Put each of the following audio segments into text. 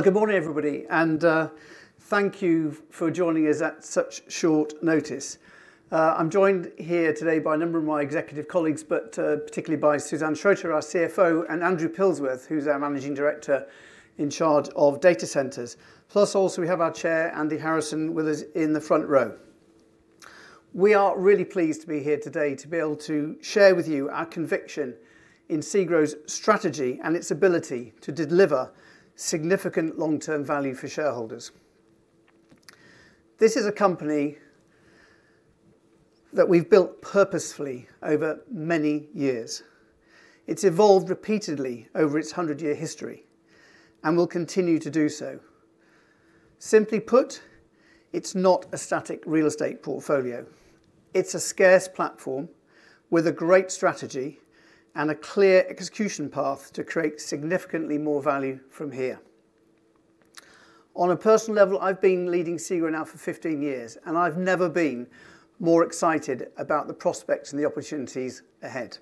Good morning, everybody, thank you for joining us at such short notice. I'm joined here today by a number of my executive colleagues, but particularly by Susanne Schroeter, our CFO, and Andrew Pilsworth, who's our Managing Director in charge of data centers. We have our Chair, Andy Harrison, with us in the front row. We are really pleased to be here today to be able to share with you our conviction in SEGRO's strategy and its ability to deliver significant long-term value for shareholders. This is a company that we've built purposefully over many years. It's evolved repeatedly over its 100-year history and will continue to do so. Simply put, it's not a static real estate portfolio. It's a scarce platform with a great strategy and a clear execution path to create significantly more value from here. On a personal level, I've been leading SEGRO now for 15 years. I've never been more excited about the prospects and the opportunities ahead.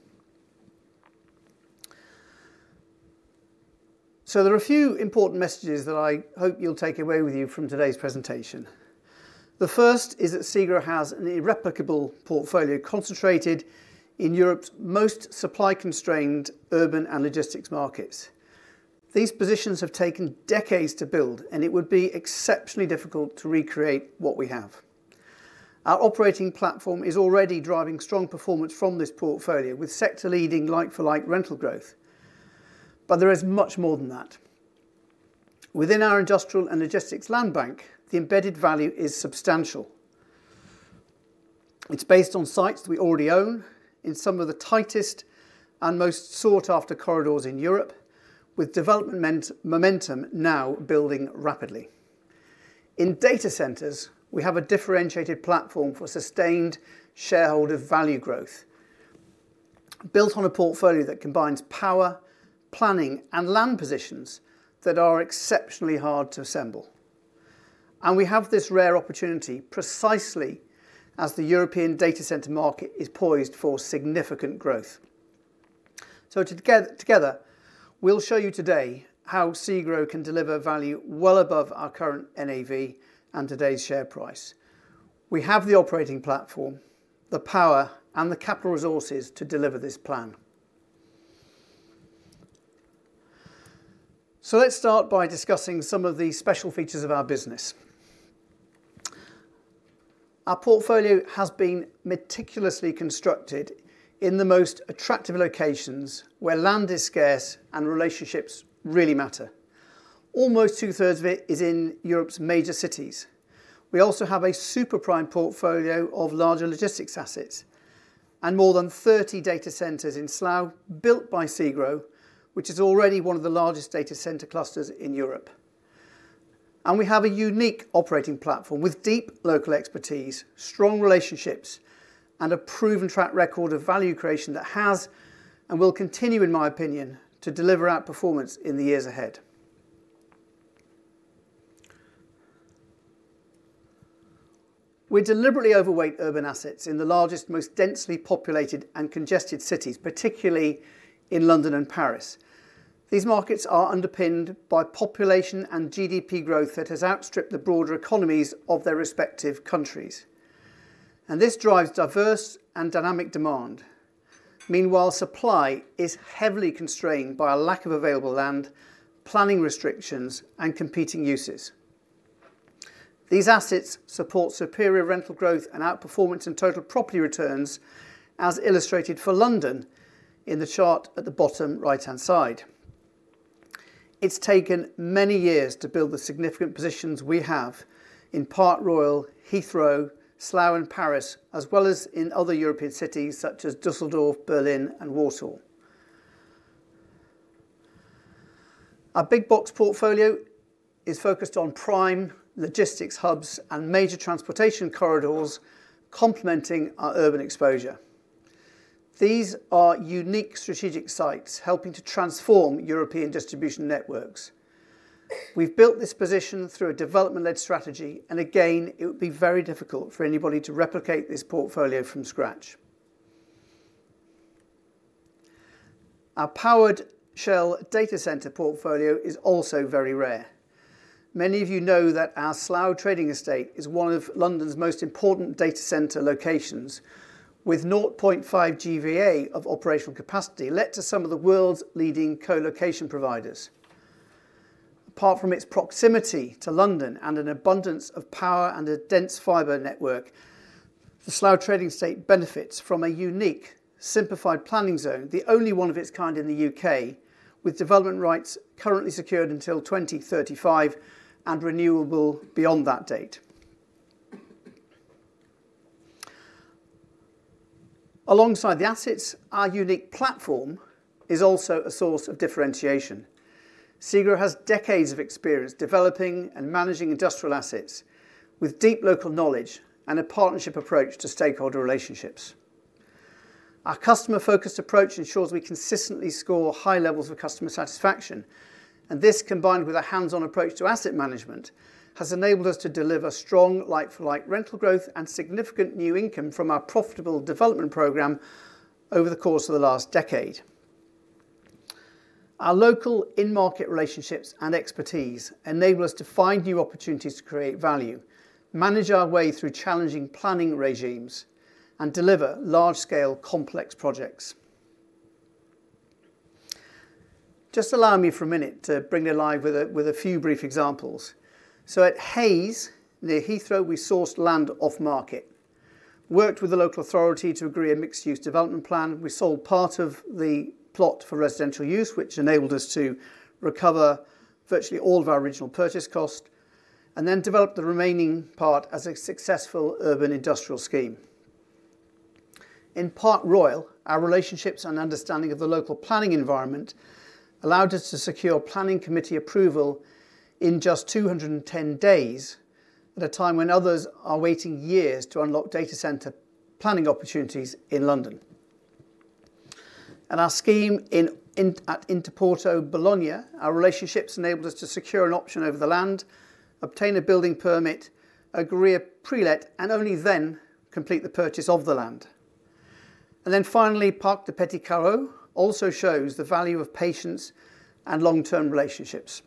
There are a few important messages that I hope you'll take away with you from today's presentation. The first is that SEGRO has an irreplicable portfolio concentrated in Europe's most supply-constrained urban and logistics markets. These positions have taken decades to build. It would be exceptionally difficult to recreate what we have. Our operating platform is already driving strong performance from this portfolio, with sector-leading like-for-like rental growth. There is much more than that. Within our industrial and logistics land bank, the embedded value is substantial. It's based on sites that we already own in some of the tightest and most sought-after corridors in Europe, with development momentum now building rapidly. In data centers, we have a differentiated platform for sustained shareholder value growth, built on a portfolio that combines power, planning, and land positions that are exceptionally hard to assemble. We have this rare opportunity precisely as the European data center market is poised for significant growth. Together, we'll show you today how SEGRO can deliver value well above our current NAV and today's share price. We have the operating platform, the power, and the capital resources to deliver this plan. Let's start by discussing some of the special features of our business. Our portfolio has been meticulously constructed in the most attractive locations where land is scarce and relationships really matter. Almost two-thirds of it is in Europe's major cities. We have a super prime portfolio of larger logistics assets and more than 30 data centers in Slough built by SEGRO, which is already one of the largest data center clusters in Europe. We have a unique operating platform with deep local expertise, strong relationships, and a proven track record of value creation that has and will continue, in my opinion, to deliver outperformance in the years ahead. We deliberately overweight urban assets in the largest, most densely populated and congested cities, particularly in London and Paris. These markets are underpinned by population and GDP growth that has outstripped the broader economies of their respective countries. This drives diverse and dynamic demand. Meanwhile, supply is heavily constrained by a lack of available land, planning restrictions, and competing uses. These assets support superior rental growth and outperformance in total property returns, as illustrated for London in the chart at the bottom right-hand side. It's taken many years to build the significant positions we have in Park Royal, Heathrow, Slough, and Paris, as well as in other European cities such as Düsseldorf, Berlin and Warsaw. Our big box portfolio is focused on prime logistics hubs and major transportation corridors, complementing our urban exposure. These are unique strategic sites helping to transform European distribution networks. We've built this position through a development-led strategy. Again, it would be very difficult for anybody to replicate this portfolio from scratch. Our powered shell data center portfolio is also very rare. Many of you know that our Slough Trading Estate is one of London's most important data center locations, with 0.5 GVA of operational capacity let to some of the world's leading co-location providers. Apart from its proximity to London and an abundance of power and a dense fiber network, the Slough Trading Estate benefits from a unique simplified planning zone, the only one of its kind in the U.K., with development rights currently secured until 2035 and renewable beyond that date. Alongside the assets, our unique platform is also a source of differentiation. SEGRO has decades of experience developing and managing industrial assets with deep local knowledge and a partnership approach to stakeholder relationships. Our customer-focused approach ensures we consistently score high levels of customer satisfaction. This, combined with a hands-on approach to asset management, has enabled us to deliver strong like-for-like rental growth and significant new income from our profitable development program over the course of the last decade. Our local in-market relationships and expertise enable us to find new opportunities to create value, manage our way through challenging planning regimes, and deliver large-scale complex projects. Just allow me for a minute to bring it alive with a few brief examples. At Hayes, near Heathrow, we sourced land off market, worked with the local authority to agree a mixed-use development plan. We sold part of the plot for residential use, which enabled us to recover virtually all of our original purchase cost, and then developed the remaining part as a successful urban industrial scheme. In Park Royal, our relationships and understanding of the local planning environment allowed us to secure planning committee approval in just 210 days, at a time when others are waiting years to unlock data center planning opportunities in London. At our scheme at Interporto Bologna, our relationships enabled us to secure an option over the land, obtain a building permit, agree a pre-let, and only then complete the purchase of the land. Finally, Parc des Petits Carreaux also shows the value of patience and long-term relationships.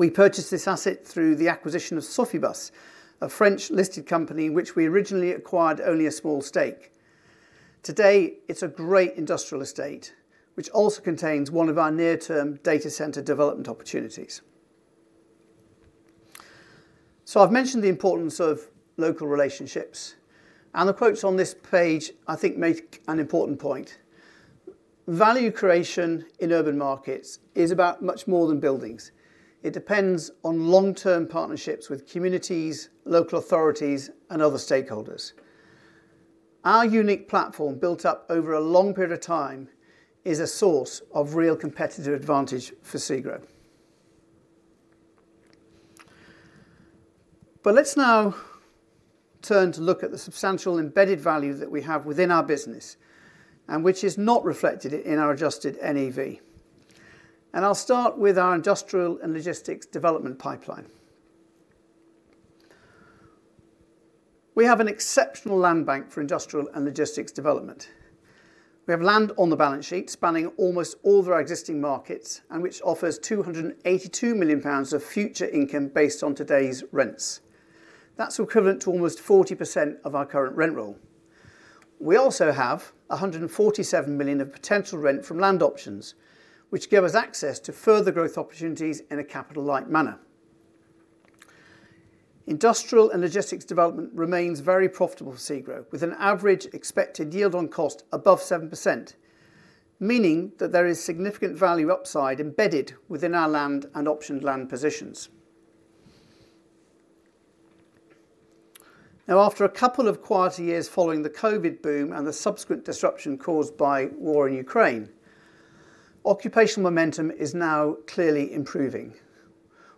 We purchased this asset through the acquisition of Sofibus, a French-listed company in which we originally acquired only a small stake. Today, it's a great industrial estate, which also contains one of our near-term data center development opportunities. I've mentioned the importance of local relationships. The quotes on this page, I think, make an important point. Value creation in urban markets is about much more than buildings. It depends on long-term partnerships with communities, local authorities, and other stakeholders. Our unique platform, built up over a long period of time, is a source of real competitive advantage for SEGRO. Let's now turn to look at the substantial embedded value that we have within our business, which is not reflected in our adjusted NAV. I'll start with our industrial and logistics development pipeline. We have an exceptional land bank for industrial and logistics development. We have land on the balance sheet spanning almost all of our existing markets and which offers 282 million pounds of future income based on today's rents. That's equivalent to almost 40% of our current rent roll. We also have 147 million of potential rent from land options, which give us access to further growth opportunities in a capital-light manner. Industrial and logistics development remains very profitable for SEGRO, with an average expected yield on cost above 7%, meaning that there is significant value upside embedded within our land and optioned land positions. After a couple of quieter years following the COVID boom and the subsequent disruption caused by war in Ukraine, occupational momentum is now clearly improving.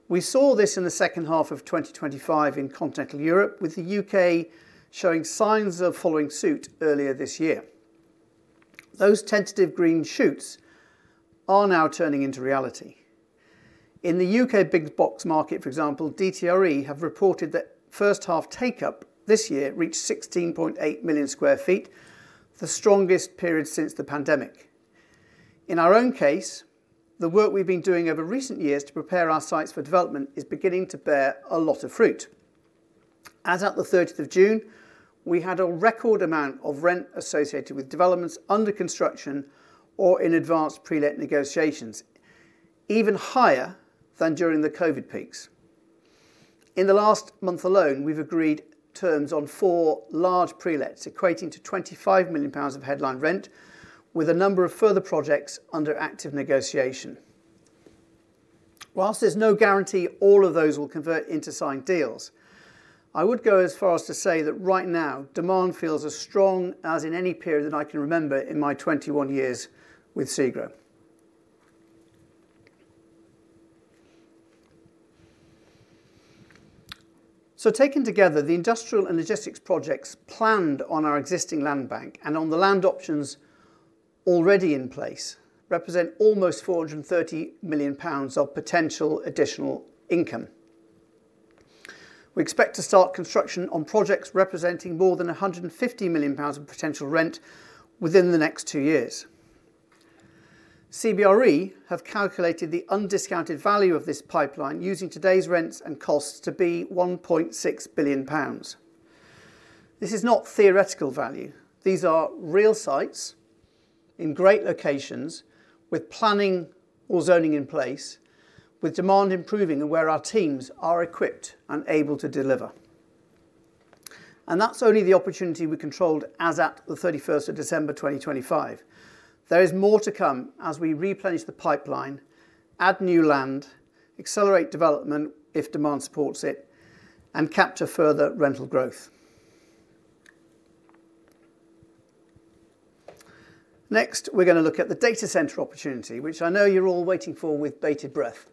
We saw this in the second half of 2025 in continental Europe, with the U.K. showing signs of following suit earlier this year. Those tentative green shoots are now turning into reality. In the U.K. big box market, for example, DTRE have reported that first half take-up this year reached 16.8 million sq ft, the strongest period since the pandemic. In our own case, the work we've been doing over recent years to prepare our sites for development is beginning to bear a lot of fruit. As at the 30th of June, we had a record amount of rent associated with developments under construction or in advanced pre-let negotiations, even higher than during the COVID peaks. In the last month alone, we've agreed terms on four large pre-lets, equating to 25 million pounds of headline rent, with a number of further projects under active negotiation. Whilst there's no guarantee all of those will convert into signed deals, I would go as far as to say that right now, demand feels as strong as in any period that I can remember in my 21 years with SEGRO. Taken together, the industrial and logistics projects planned on our existing land bank and on the land options already in place represent almost 430 million pounds of potential additional income. We expect to start construction on projects representing more than 150 million pounds of potential rent within the next two years. CBRE have calculated the undiscounted value of this pipeline using today's rents and costs to be 1.6 billion pounds. This is not theoretical value. These are real sites in great locations with planning or zoning in place, with demand improving and where our teams are equipped and able to deliver. That's only the opportunity we controlled as at the 31st of December, 2025. There is more to come as we replenish the pipeline, add new land, accelerate development if demand supports it, and capture further rental growth. We're going to look at the data center opportunity, which I know you're all waiting for with bated breath.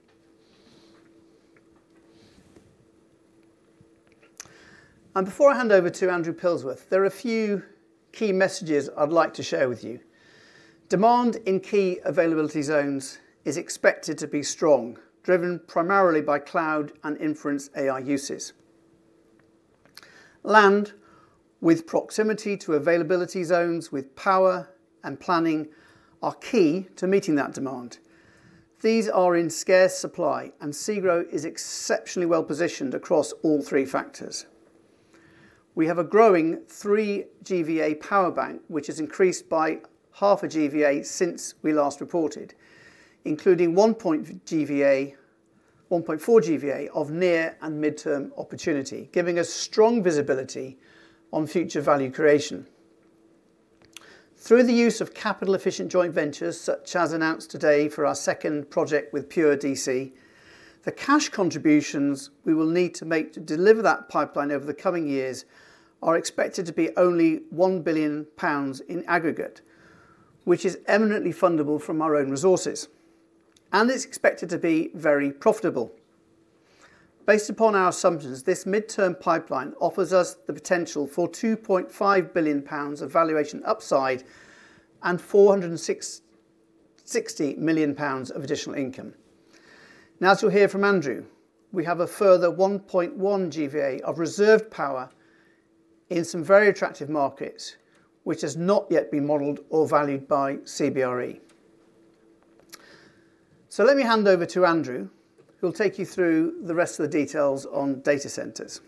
Before I hand over to Andrew Pilsworth, there are a few key messages I'd like to share with you. Demand in key availability zones is expected to be strong, driven primarily by cloud and inference AI uses. Land with proximity to availability zones, with power and planning are key to meeting that demand. These are in scarce supply, SEGRO is exceptionally well-positioned across all three factors. We have a growing three GVA power bank, which has increased by half a GVA since we last reported, including 1.4 GVA of near and midterm opportunity, giving us strong visibility on future value creation. Through the use of capital-efficient joint ventures such as announced today for our second project with Pure DC, the cash contributions we will need to make to deliver that pipeline over the coming years are expected to be only 1 billion pounds in aggregate, which is eminently fundable from our own resources and is expected to be very profitable. Based upon our assumptions, this midterm pipeline offers us the potential for GBP 2.5 billion of valuation upside and GBP 460 million of additional income. As you'll hear from Andrew, we have a further 1.1 GVA of reserved power in some very attractive markets, which has not yet been modeled or valued by CBRE. Let me hand over to Andrew who'll take you through the rest of the details on data centers.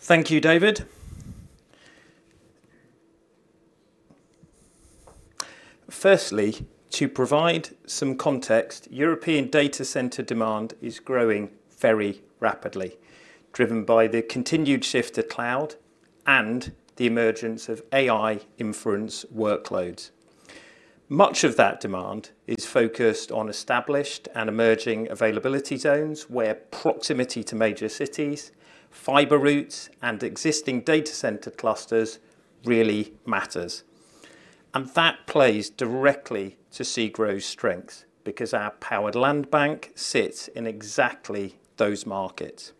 Thank you, David. Firstly, to provide some context, European data center demand is growing very rapidly, driven by the continued shift to cloud and the emergence of AI inference workloads. Much of that demand is focused on established and emerging availability zones where proximity to major cities, fiber routes, and existing data center clusters really matters. That plays directly to SEGRO's strength because our powered land bank sits in exactly those markets.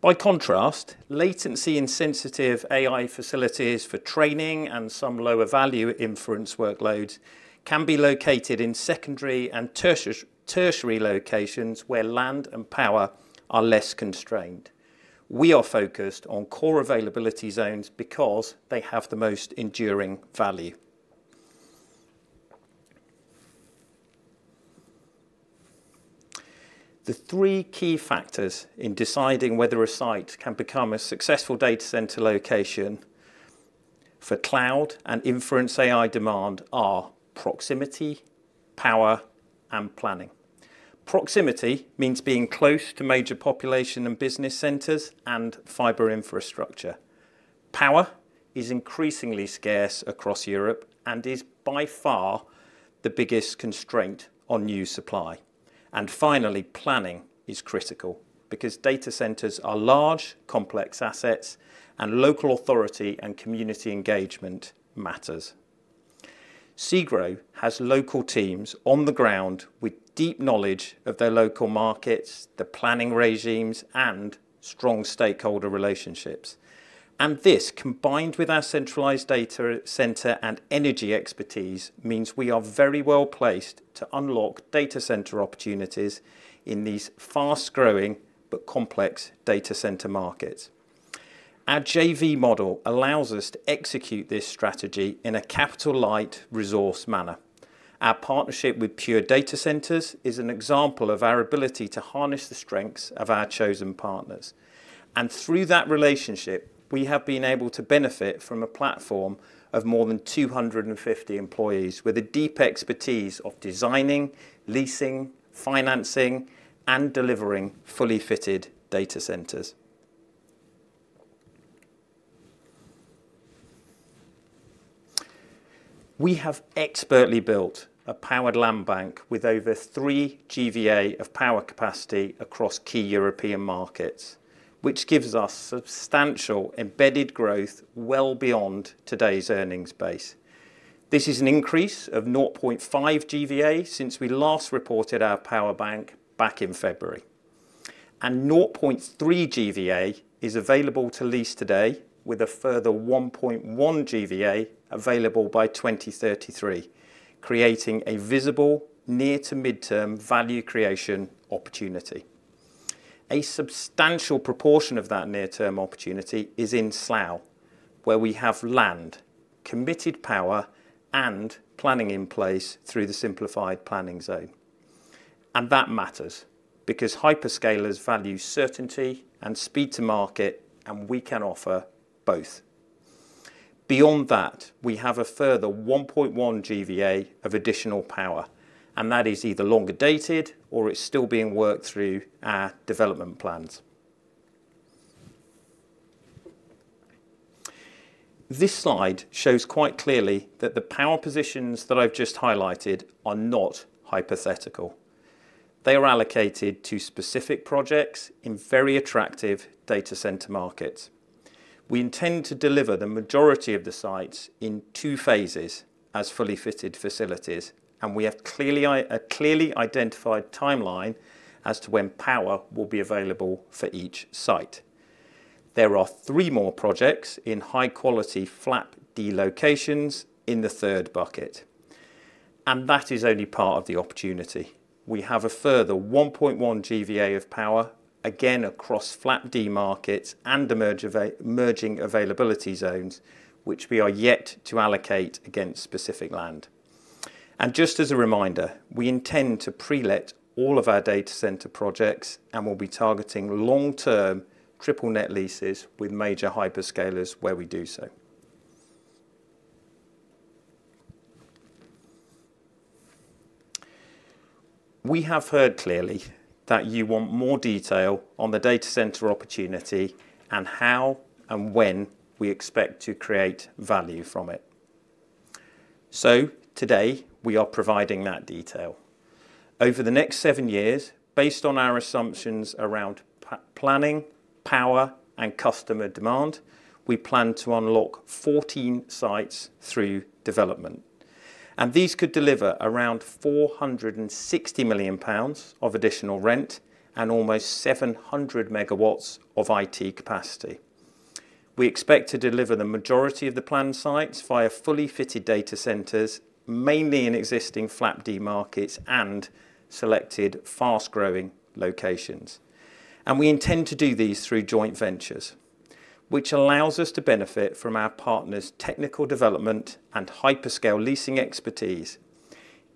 By contrast, latency in sensitive AI facilities for training and some lower value inference workloads can be located in secondary and tertiary locations where land and power are less constrained. We are focused on core availability zones because they have the most enduring value. The three key factors in deciding whether a site can become a successful data center location for cloud and inference AI demand are proximity, power, and planning. Proximity means being close to major population and business centers and fiber infrastructure. Power is increasingly scarce across Europe and is by far the biggest constraint on new supply. Finally, planning is critical because data centers are large, complex assets and local authority and community engagement matters. SEGRO has local teams on the ground with deep knowledge of their local markets, the planning regimes, and strong stakeholder relationships. This, combined with our centralized data center and energy expertise, means we are very well-placed to unlock data center opportunities in these fast-growing but complex data center markets. Our JV model allows us to execute this strategy in a capital light resource manner. Our partnership with Pure Data Centres is an example of our ability to harness the strengths of our chosen partners. Through that relationship, we have been able to benefit from a platform of more than 250 employees with a deep expertise of designing, leasing, financing, and delivering fully fitted data centers. We have expertly built a powered land bank with over 3.0 GVA of power capacity across key European markets, which gives us substantial embedded growth well beyond today's earnings base. This is an increase of 0.5 GVA since we last reported our power bank back in February. 0.3 GVA is available to lease today with a further 1.1 GVA available by 2033, creating a visible near to midterm value creation opportunity. A substantial proportion of that near-term opportunity is in Slough where we have land, committed power, and planning in place through the simplified planning zone. That matters because hyperscalers value certainty and speed to market, and we can offer both. Beyond that, we have a further 1.1 GVA of additional power, that is either longer dated or it's still being worked through our development plans. This slide shows quite clearly that the power positions that I've just highlighted are not hypothetical. They are allocated to specific projects in very attractive data center markets. We intend to deliver the majority of the sites in two phases as fully fitted facilities, and we have a clearly identified timeline as to when power will be available for each site. There are three more projects in high-quality FLAP-D locations in the third bucket. That is only part of the opportunity. We have a further 1.1 GVA of power, again across FLAP-D markets and emerging availability zones, which we are yet to allocate against specific land. Just as a reminder, we intend to pre-let all of our data center projects, will be targeting long-term triple net leases with major hyperscalers where we do so. We have heard clearly that you want more detail on the data center opportunity and how and when we expect to create value from it. Today, we are providing that detail. Over the next seven years, based on our assumptions around planning, power, and customer demand, we plan to unlock 14 sites through development. These could deliver around 460 million pounds of additional rent and almost 700 MW of IT capacity. We expect to deliver the majority of the planned sites via fully fitted data centers, mainly in existing FLAP-D markets and selected fast-growing locations. We intend to do these through joint ventures, which allows us to benefit from our partners' technical development and hyperscale leasing expertise.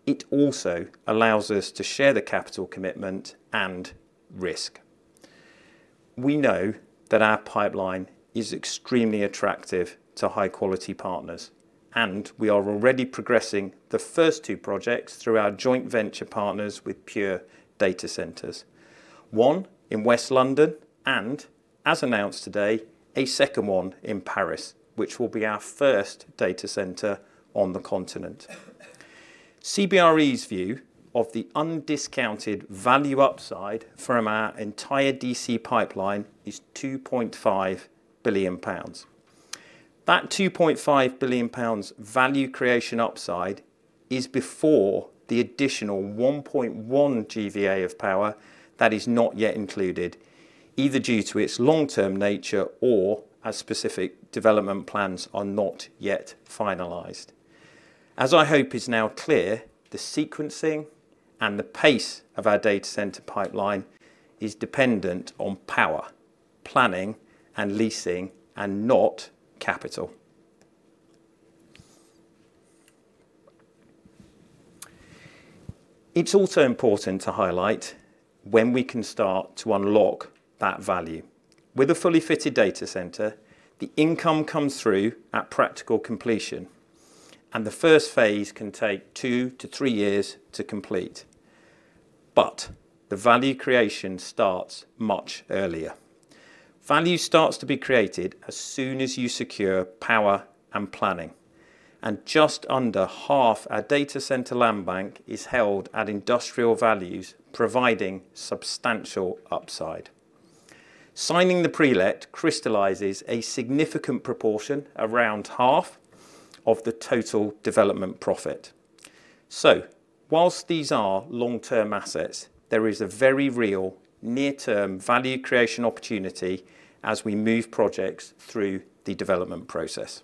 It also allows us to share the capital commitment and risk. We know that our pipeline is extremely attractive to high-quality partners, we are already progressing the first two projects through our joint venture partners with Pure Data Centres. One in West London, as announced today, a second one in Paris, which will be our first data center on the continent. CBRE's view of the undiscounted value upside from our entire DC pipeline is 2.5 billion pounds. That 2.5 billion pounds value creation upside is before the additional 1.1 GVA of power that is not yet included, either due to its long-term nature or as specific development plans are not yet finalized. I hope is now clear, the sequencing and the pace of our data center pipeline is dependent on power, planning, and leasing, not capital. It is also important to highlight when we can start to unlock that value. With a fully fitted data center, the income comes through at practical completion, and the first phase can take two to three years to complete. The value creation starts much earlier. Value starts to be created as soon as you secure power and planning, and just under half our data center land bank is held at industrial values, providing substantial upside. Signing the pre-let crystallizes a significant proportion, around half, of the total development profit. Whilst these are long-term assets, there is a very real near-term value creation opportunity as we move projects through the development process.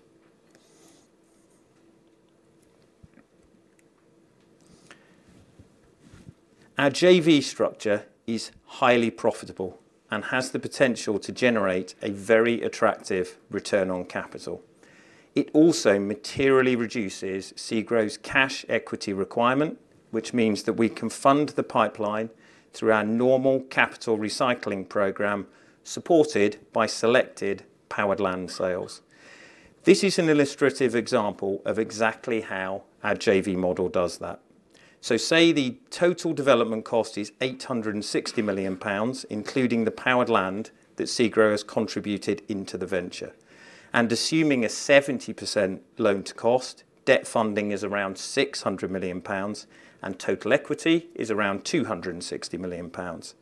Our JV structure is highly profitable and has the potential to generate a very attractive return on capital. It also materially reduces SEGRO's cash equity requirement, which means that we can fund the pipeline through our normal capital recycling program, supported by selected powered land sales. This is an illustrative example of exactly how our JV model does that. Say the total development cost is 860 million pounds, including the powered land that SEGRO has contributed into the venture. Assuming a 70% loan-to-cost, debt funding is around 600 million pounds, and total equity is around 260 million pounds.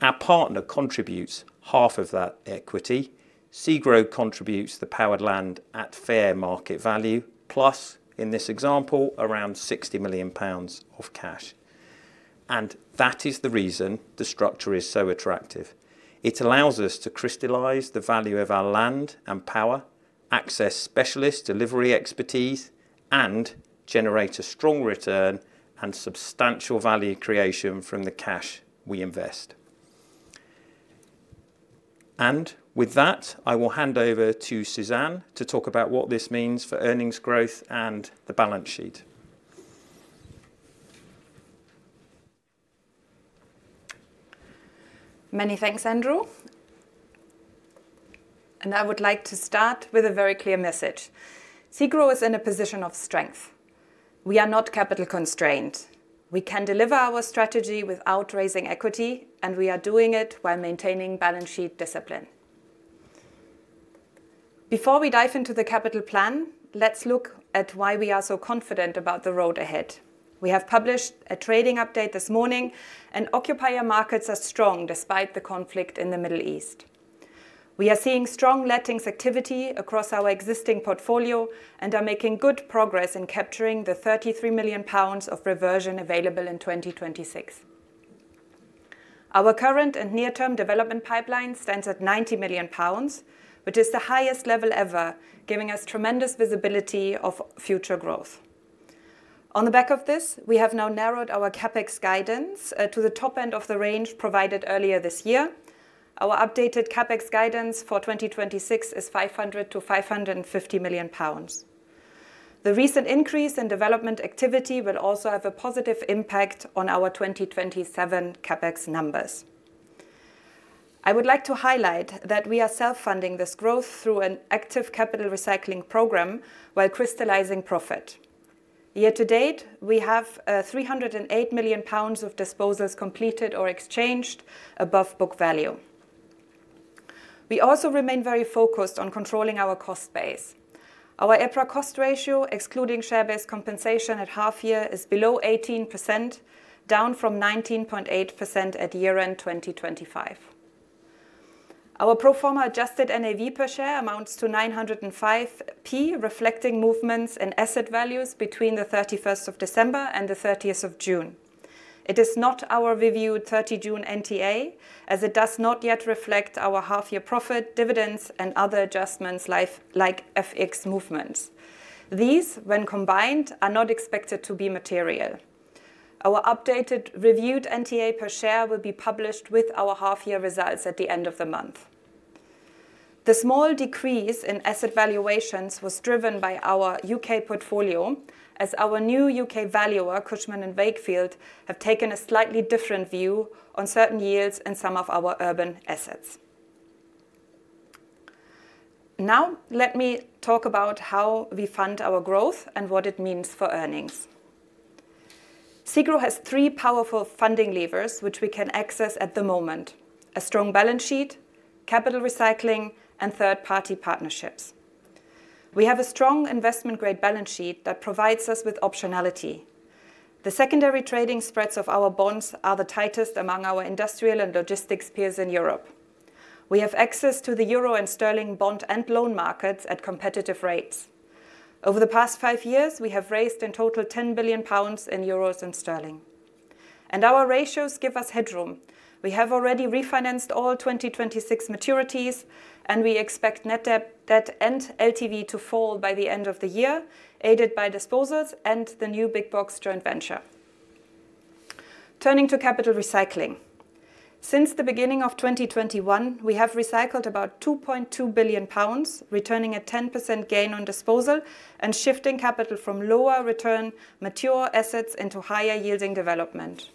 Our partner contributes half of that equity. SEGRO contributes the powered land at fair market value, plus, in this example, around 60 million pounds of cash. That is the reason the structure is so attractive. It allows us to crystallize the value of our land and power, access specialist delivery expertise, and generate a strong return and substantial value creation from the cash we invest. With that, I will hand over to Susanne to talk about what this means for earnings growth and the balance sheet. Many thanks, Andrew. I would like to start with a very clear message. SEGRO is in a position of strength. We are not capital constrained. We can deliver our strategy without raising equity, and we are doing it while maintaining balance sheet discipline. Before we dive into the capital plan, let's look at why we are so confident about the road ahead. We have published a trading update this morning, and occupier markets are strong despite the conflict in the Middle East. We are seeing strong lettings activity across our existing portfolio and are making good progress in capturing the 33 million pounds of reversion available in 2026. Our current and near-term development pipeline stands at 90 million pounds, which is the highest level ever, giving us tremendous visibility of future growth. On the back of this, we have now narrowed our CapEx guidance to the top end of the range provided earlier this year. Our updated CapEx guidance for 2026 is 500 million-550 million pounds. The recent increase in development activity will also have a positive impact on our 2027 CapEx numbers. I would like to highlight that we are self-funding this growth through an active capital recycling program while crystallizing profit. Year to date, we have 308 million pounds of disposals completed or exchanged above book value. We also remain very focused on controlling our cost base. Our EPRA cost ratio, excluding share-based compensation at half year, is below 18%, down from 19.8% at year-end 2025. Our pro forma adjusted NAV per share amounts to 9.05, reflecting movements in asset values between the 31st of December and the 30th of June. It is not our reviewed 30 June NTA, as it does not yet reflect our half-year profit dividends and other adjustments like FX movements. These, when combined, are not expected to be material. Our updated reviewed NTA per share will be published with our half-year results at the end of the month. The small decrease in asset valuations was driven by our U.K. portfolio, as our new U.K. valuer, Cushman & Wakefield, have taken a slightly different view on certain yields in some of our urban assets. Let me talk about how we fund our growth and what it means for earnings. SEGRO has three powerful funding levers which we can access at the moment: a strong balance sheet, capital recycling, and third-party partnerships. We have a strong investment-grade balance sheet that provides us with optionality. The secondary trading spreads of our bonds are the tightest among our industrial and logistics peers in Europe. We have access to the euro and sterling bond and loan markets at competitive rates. Over the past five years, we have raised in total 10 billion pounds in euros and sterling. Our ratios give us headroom. We have already refinanced all 2026 maturities, and we expect net debt and LTV to fall by the end of the year, aided by disposals and the new Big Box joint venture. Turning to capital recycling. Since the beginning of 2021, we have recycled about 2.2 billion pounds, returning a 10% gain on disposal, and shifting capital from lower return mature assets into higher yielding development.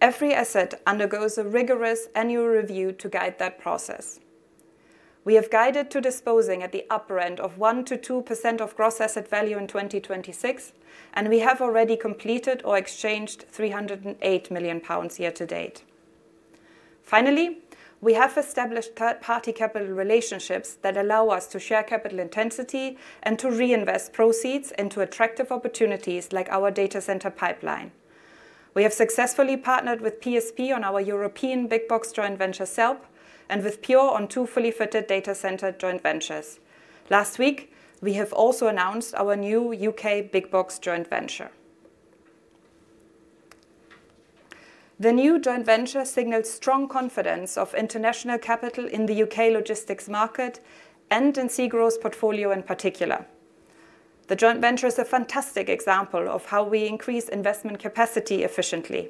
Every asset undergoes a rigorous annual review to guide that process. We have guided to disposing at the upper end of 1%-2% of gross asset value in 2026. We have already completed or exchanged 308 million pounds year to date. Finally, we have established third-party capital relationships that allow us to share capital intensity and to reinvest proceeds into attractive opportunities like our data center pipeline. We have successfully partnered with PSP on our European Big Box joint venture, SELP, and with Pure on two fully fitted data center joint ventures. Last week, we have also announced our new U.K. Big Box joint venture. The new joint venture signals strong confidence of international capital in the U.K. logistics market and in SEGRO's portfolio in particular. The joint venture is a fantastic example of how we increase investment capacity efficiently.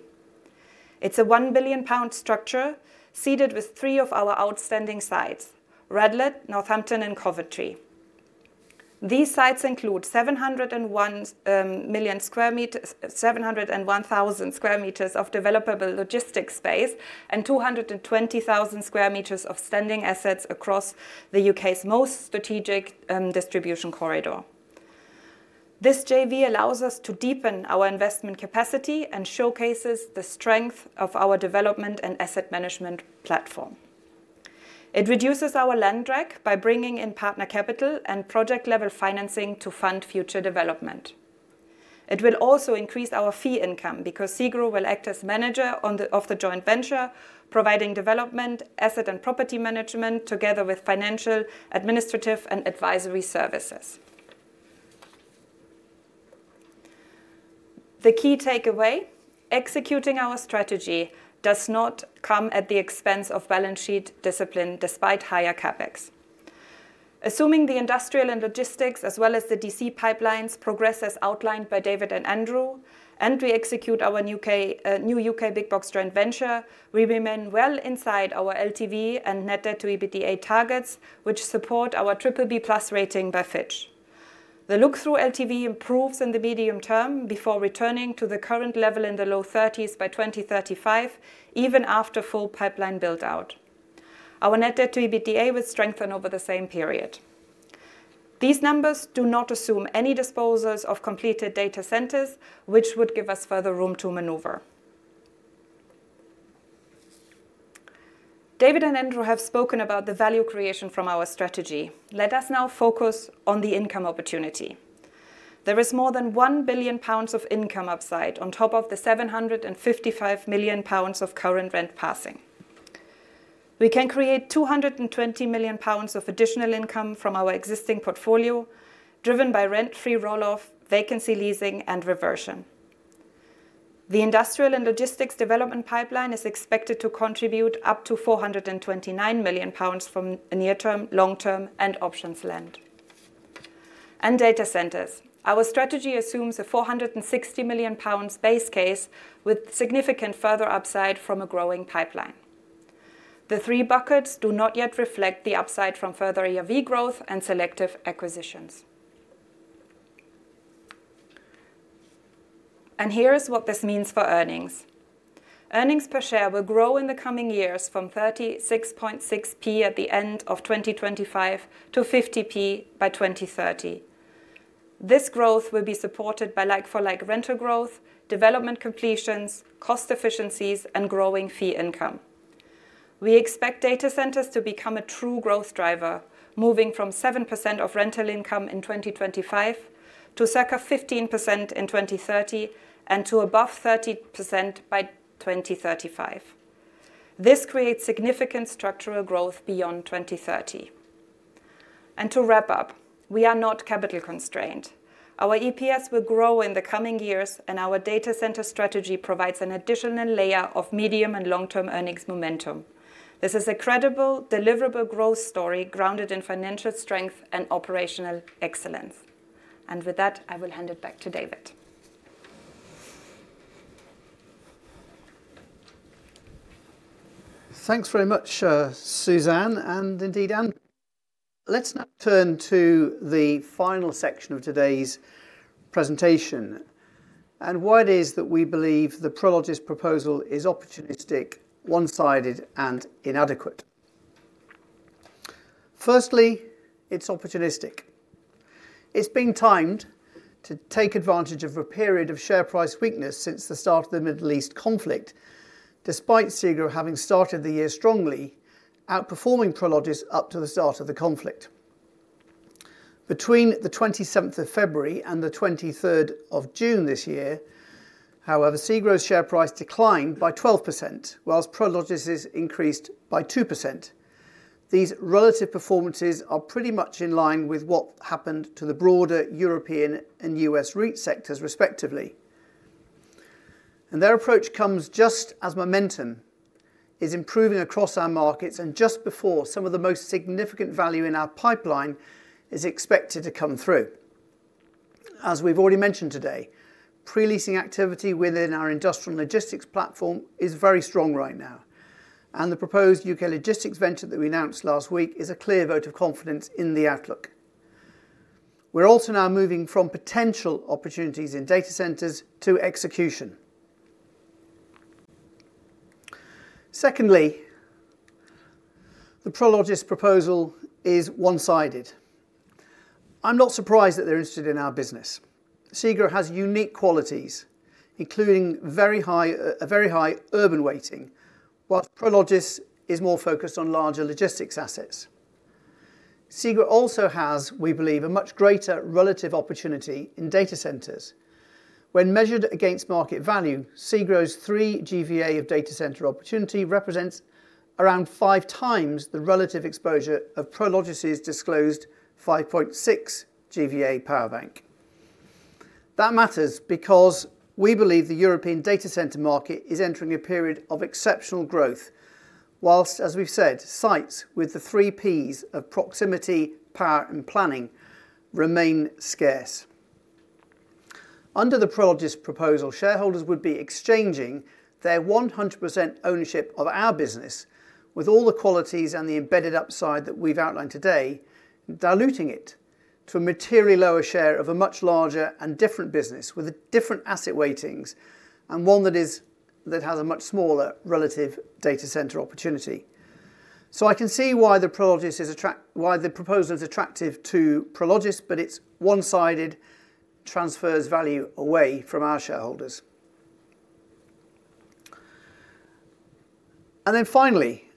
It's a 1 billion pound structure seated with three of our outstanding sites, Radlett, Northampton, and Coventry. These sites include 701,000 sq m of developable logistics space and 220,000 sq m of standing assets across the U.K.'s most strategic distribution corridor. This JV allows us to deepen our investment capacity and showcases the strength of our development and asset management platform. It reduces our land drag by bringing in partner capital and project level financing to fund future development. It will also increase our fee income because SEGRO will act as manager of the joint venture, providing development, asset and property management, together with financial, administrative, and advisory services. The key takeaway, executing our strategy does not come at the expense of balance sheet discipline despite higher CapEx. Assuming the industrial and logistics as well as the DC pipelines progress as outlined by David and Andrew, we execute our new U.K. Big Box joint venture, we remain well inside our LTV and net debt to EBITDA targets, which support our BBB+ rating by Fitch. The look-through LTV improves in the medium term before returning to the current level in the low 30s by 2035, even after full pipeline build-out. Our net debt to EBITDA will strengthen over the same period. These numbers do not assume any disposals of completed data centers, which would give us further room to maneuver. David and Andrew have spoken about the value creation from our strategy. Let us now focus on the income opportunity. There is more than 1 billion pounds of income upside on top of the 755 million pounds of current rent passing. We can create 220 million pounds of additional income from our existing portfolio, driven by rent-free roll-off, vacancy leasing, and reversion. The industrial and logistics development pipeline is expected to contribute up to 429 million pounds from near-term, long-term, and options land. Data centers, our strategy assumes a 460 million pounds base case with significant further upside from a growing pipeline. The three buckets do not yet reflect the upside from further ERV growth and selective acquisitions. Here is what this means for earnings. Earnings per share will grow in the coming years from 0.366 at the end of 2025 to 0.50 by 2030. This growth will be supported by like-for-like rental growth, development completions, cost efficiencies, and growing fee income. We expect data centers to become a true growth driver, moving from 7% of rental income in 2025 to circa 15% in 2030, and to above 30% by 2035. This creates significant structural growth beyond 2030. To wrap up, we are not capital constrained. Our EPS will grow in the coming years, and our data center strategy provides an additional layer of medium and long-term earnings momentum. This is a credible, deliverable growth story grounded in financial strength and operational excellence. With that, I will hand it back to David. Thanks very much, Susanne and indeed, Andrew. Let's now turn to the final section of today's presentation and why it is that we believe the Prologis proposal is opportunistic, one-sided, and inadequate. Firstly, it's opportunistic. It's been timed to take advantage of a period of share price weakness since the start of the Middle East conflict, despite SEGRO having started the year strongly, outperforming Prologis up to the start of the conflict. Between the 27th of February and the 23rd of June this year, however, SEGRO's share price declined by 12%, whilst Prologis' increased by 2%. These relative performances are pretty much in line with what happened to the broader European and U.S. REIT sectors, respectively. Their approach comes just as momentum is improving across our markets, and just before some of the most significant value in our pipeline is expected to come through. As we've already mentioned today, pre-leasing activity within our industrial logistics platform is very strong right now, and the proposed U.K. logistics venture that we announced last week is a clear vote of confidence in the outlook. We're also now moving from potential opportunities in data centers to execution. Secondly, the Prologis proposal is one-sided. I'm not surprised that they're interested in our business. SEGRO has unique qualities, including a very high urban weighting, whilst Prologis is more focused on larger logistics assets. SEGRO also has, we believe, a much greater relative opportunity in data centers. When measured against market value, SEGRO's 3.0 GVA of data center opportunity represents around five times the relative exposure of Prologis' disclosed 5.6 GVA PowerBank. That matters because we believe the European data center market is entering a period of exceptional growth, whilst, as we've said, sites with the three Ps of proximity, power, and planning remain scarce. Under the Prologis proposal, shareholders would be exchanging their 100% ownership of our business with all the qualities and the embedded upside that we've outlined today, diluting it to a materially lower share of a much larger and different business with different asset weightings, and one that has a much smaller relative data center opportunity. I can see why the proposal is attractive to Prologis, but it's one-sided, transfers value away from our shareholders. Finally,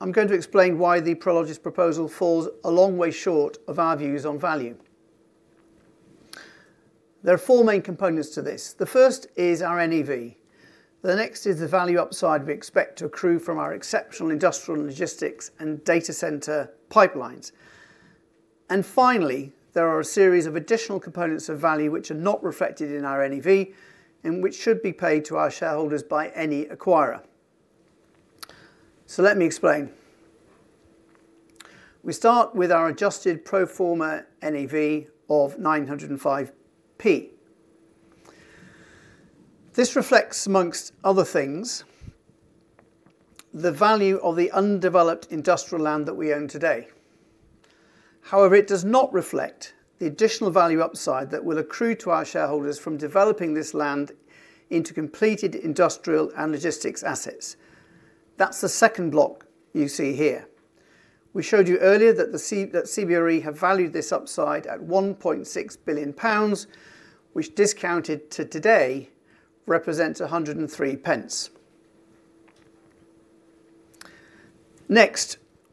I'm going to explain why the Prologis proposal falls a long way short of our views on value. There are four main components to this. The first is our NAV. The next is the value upside we expect to accrue from our exceptional industrial logistics and data center pipelines. Finally, there are a series of additional components of value which are not reflected in our NAV and which should be paid to our shareholders by any acquirer. Let me explain. We start with our adjusted pro forma NAV of 9.05. This reflects, amongst other things, the value of the undeveloped industrial land that we own today. However, it does not reflect the additional value upside that will accrue to our shareholders from developing this land into completed industrial and logistics assets. That's the second block you see here. We showed you earlier that CBRE have valued this upside at GBP 1.6 billion, which discounted to today represents 1.03.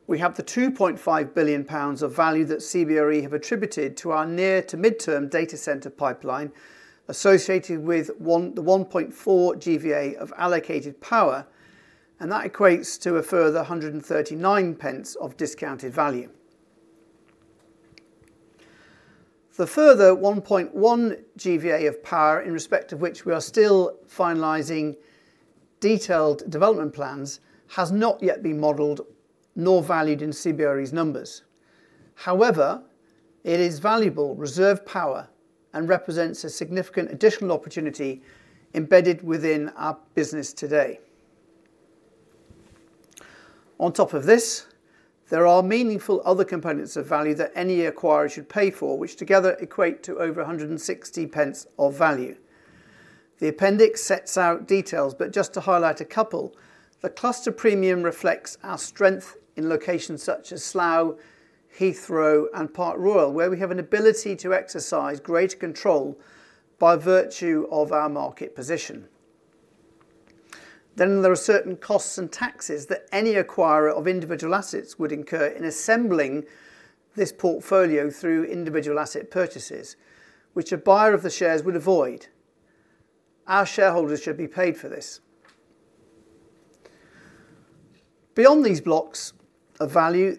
We have the GBP 2.5 billion of value that CBRE have attributed to our near to midterm data center pipeline associated with the 1.4 GVA of allocated power, and that equates to a further 1.39 of discounted value. The further 1.1 GVA of power, in respect of which we are still finalizing detailed development plans, has not yet been modeled nor valued in CBRE's numbers. However, it is valuable reserved power and represents a significant additional opportunity embedded within our business today. On top of this, there are meaningful other components of value that any acquirer should pay for, which together equate to over 1.60 of value. The appendix sets out details, but just to highlight a couple, the cluster premium reflects our strength in locations such as Slough, Heathrow, and Park Royal, where we have an ability to exercise greater control by virtue of our market position. There are certain costs and taxes that any acquirer of individual assets would incur in assembling this portfolio through individual asset purchases, which a buyer of the shares would avoid. Our shareholders should be paid for this. Beyond these blocks of value,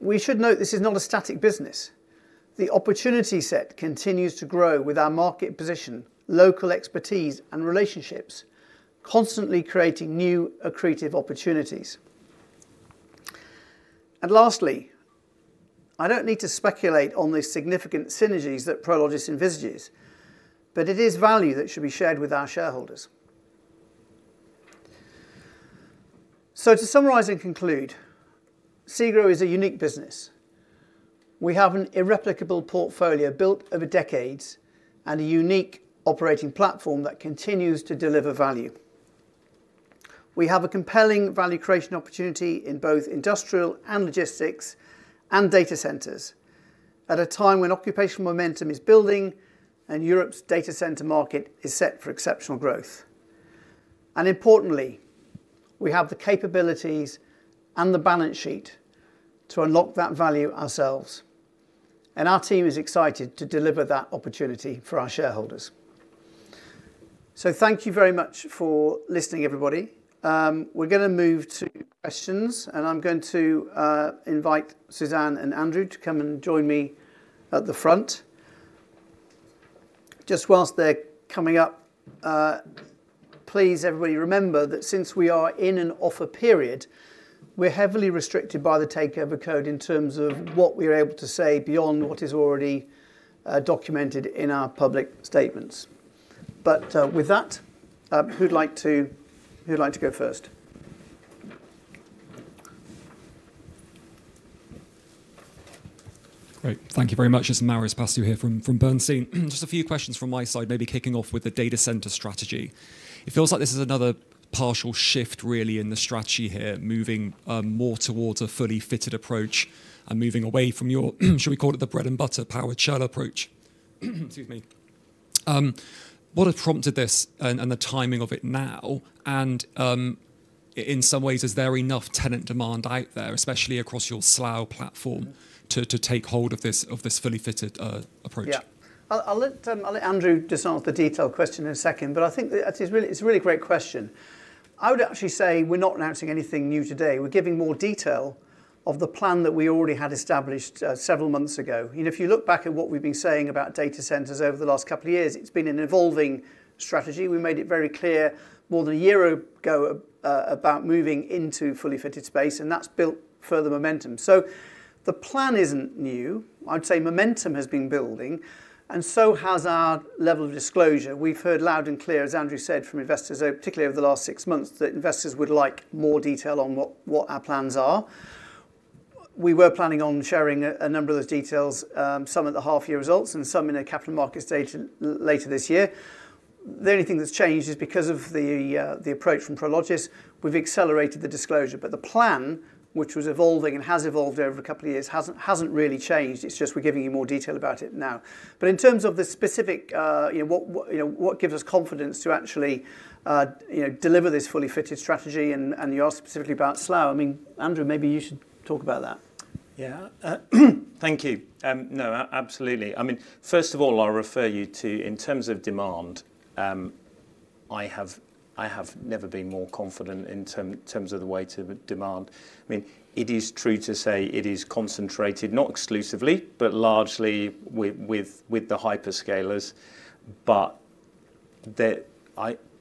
we should note this is not a static business. The opportunity set continues to grow with our market position, local expertise, and relationships, constantly creating new accretive opportunities. Lastly, I don't need to speculate on the significant synergies that Prologis envisages, but it is value that should be shared with our shareholders. To summarize and conclude, SEGRO is a unique business. We have an irreplicable portfolio built over decades and a unique operating platform that continues to deliver value. We have a compelling value creation opportunity in both industrial and logistics and data centers at a time when occupational momentum is building and Europe's data center market is set for exceptional growth. Importantly, we have the capabilities and the balance sheet to unlock that value ourselves, and our team is excited to deliver that opportunity for our shareholders. Thank you very much for listening, everybody. We're going to move to questions, and I'm going to invite Susanne and Andrew to come and join me at the front. Just whilst they're coming up, please, everybody, remember that since we are in an offer period, we're heavily restricted by the Takeover Code in terms of what we're able to say beyond what is already documented in our public statements. With that, who'd like to go first? Great. Thank you very much. It's Maurice [Pascoe] here from Bernstein. Just a few questions from my side, maybe kicking off with the data center strategy. It feels like this is another partial shift, really, in the strategy here, moving more towards a fully fitted approach and moving away from your should we call it the bread and butter powered shell approach? Excuse me. What has prompted this and the timing of it now? In some ways, is there enough tenant demand out there, especially across your Slough platform, to take hold of this fully fitted approach? Yeah. I'll let Andrew discuss the detailed question in a second, but I think it's a really great question. I would actually say we're not announcing anything new today. We're giving more detail of the plan that we already had established several months ago. If you look back at what we've been saying about data centers over the last couple of years, it's been an evolving strategy. We made it very clear more than a year ago about moving into fully fitted space, and that's built further momentum. The plan isn't new. I'd say momentum has been building and so has our level of disclosure. We've heard loud and clear, as Andrew said, from investors, though, particularly over the last six months, that investors would like more detail on what our plans are. We were planning on sharing a number of those details, some at the half-year results and some in a capital market stage later this year. The only thing that's changed is because of the approach from Prologis, we've accelerated the disclosure. The plan, which was evolving and has evolved over a couple of years, hasn't really changed. It's just we're giving you more detail about it now. In terms of the specific, what gives us confidence to actually deliver this fully fitted strategy, and you asked specifically about Slough. Andrew, maybe you should talk about that. Yeah. Thank you. No, absolutely. First of all, I'll refer you to, in terms of demand, I have never been more confident in terms of the weight of demand. It is true to say it is concentrated, not exclusively, but largely with the hyperscalers.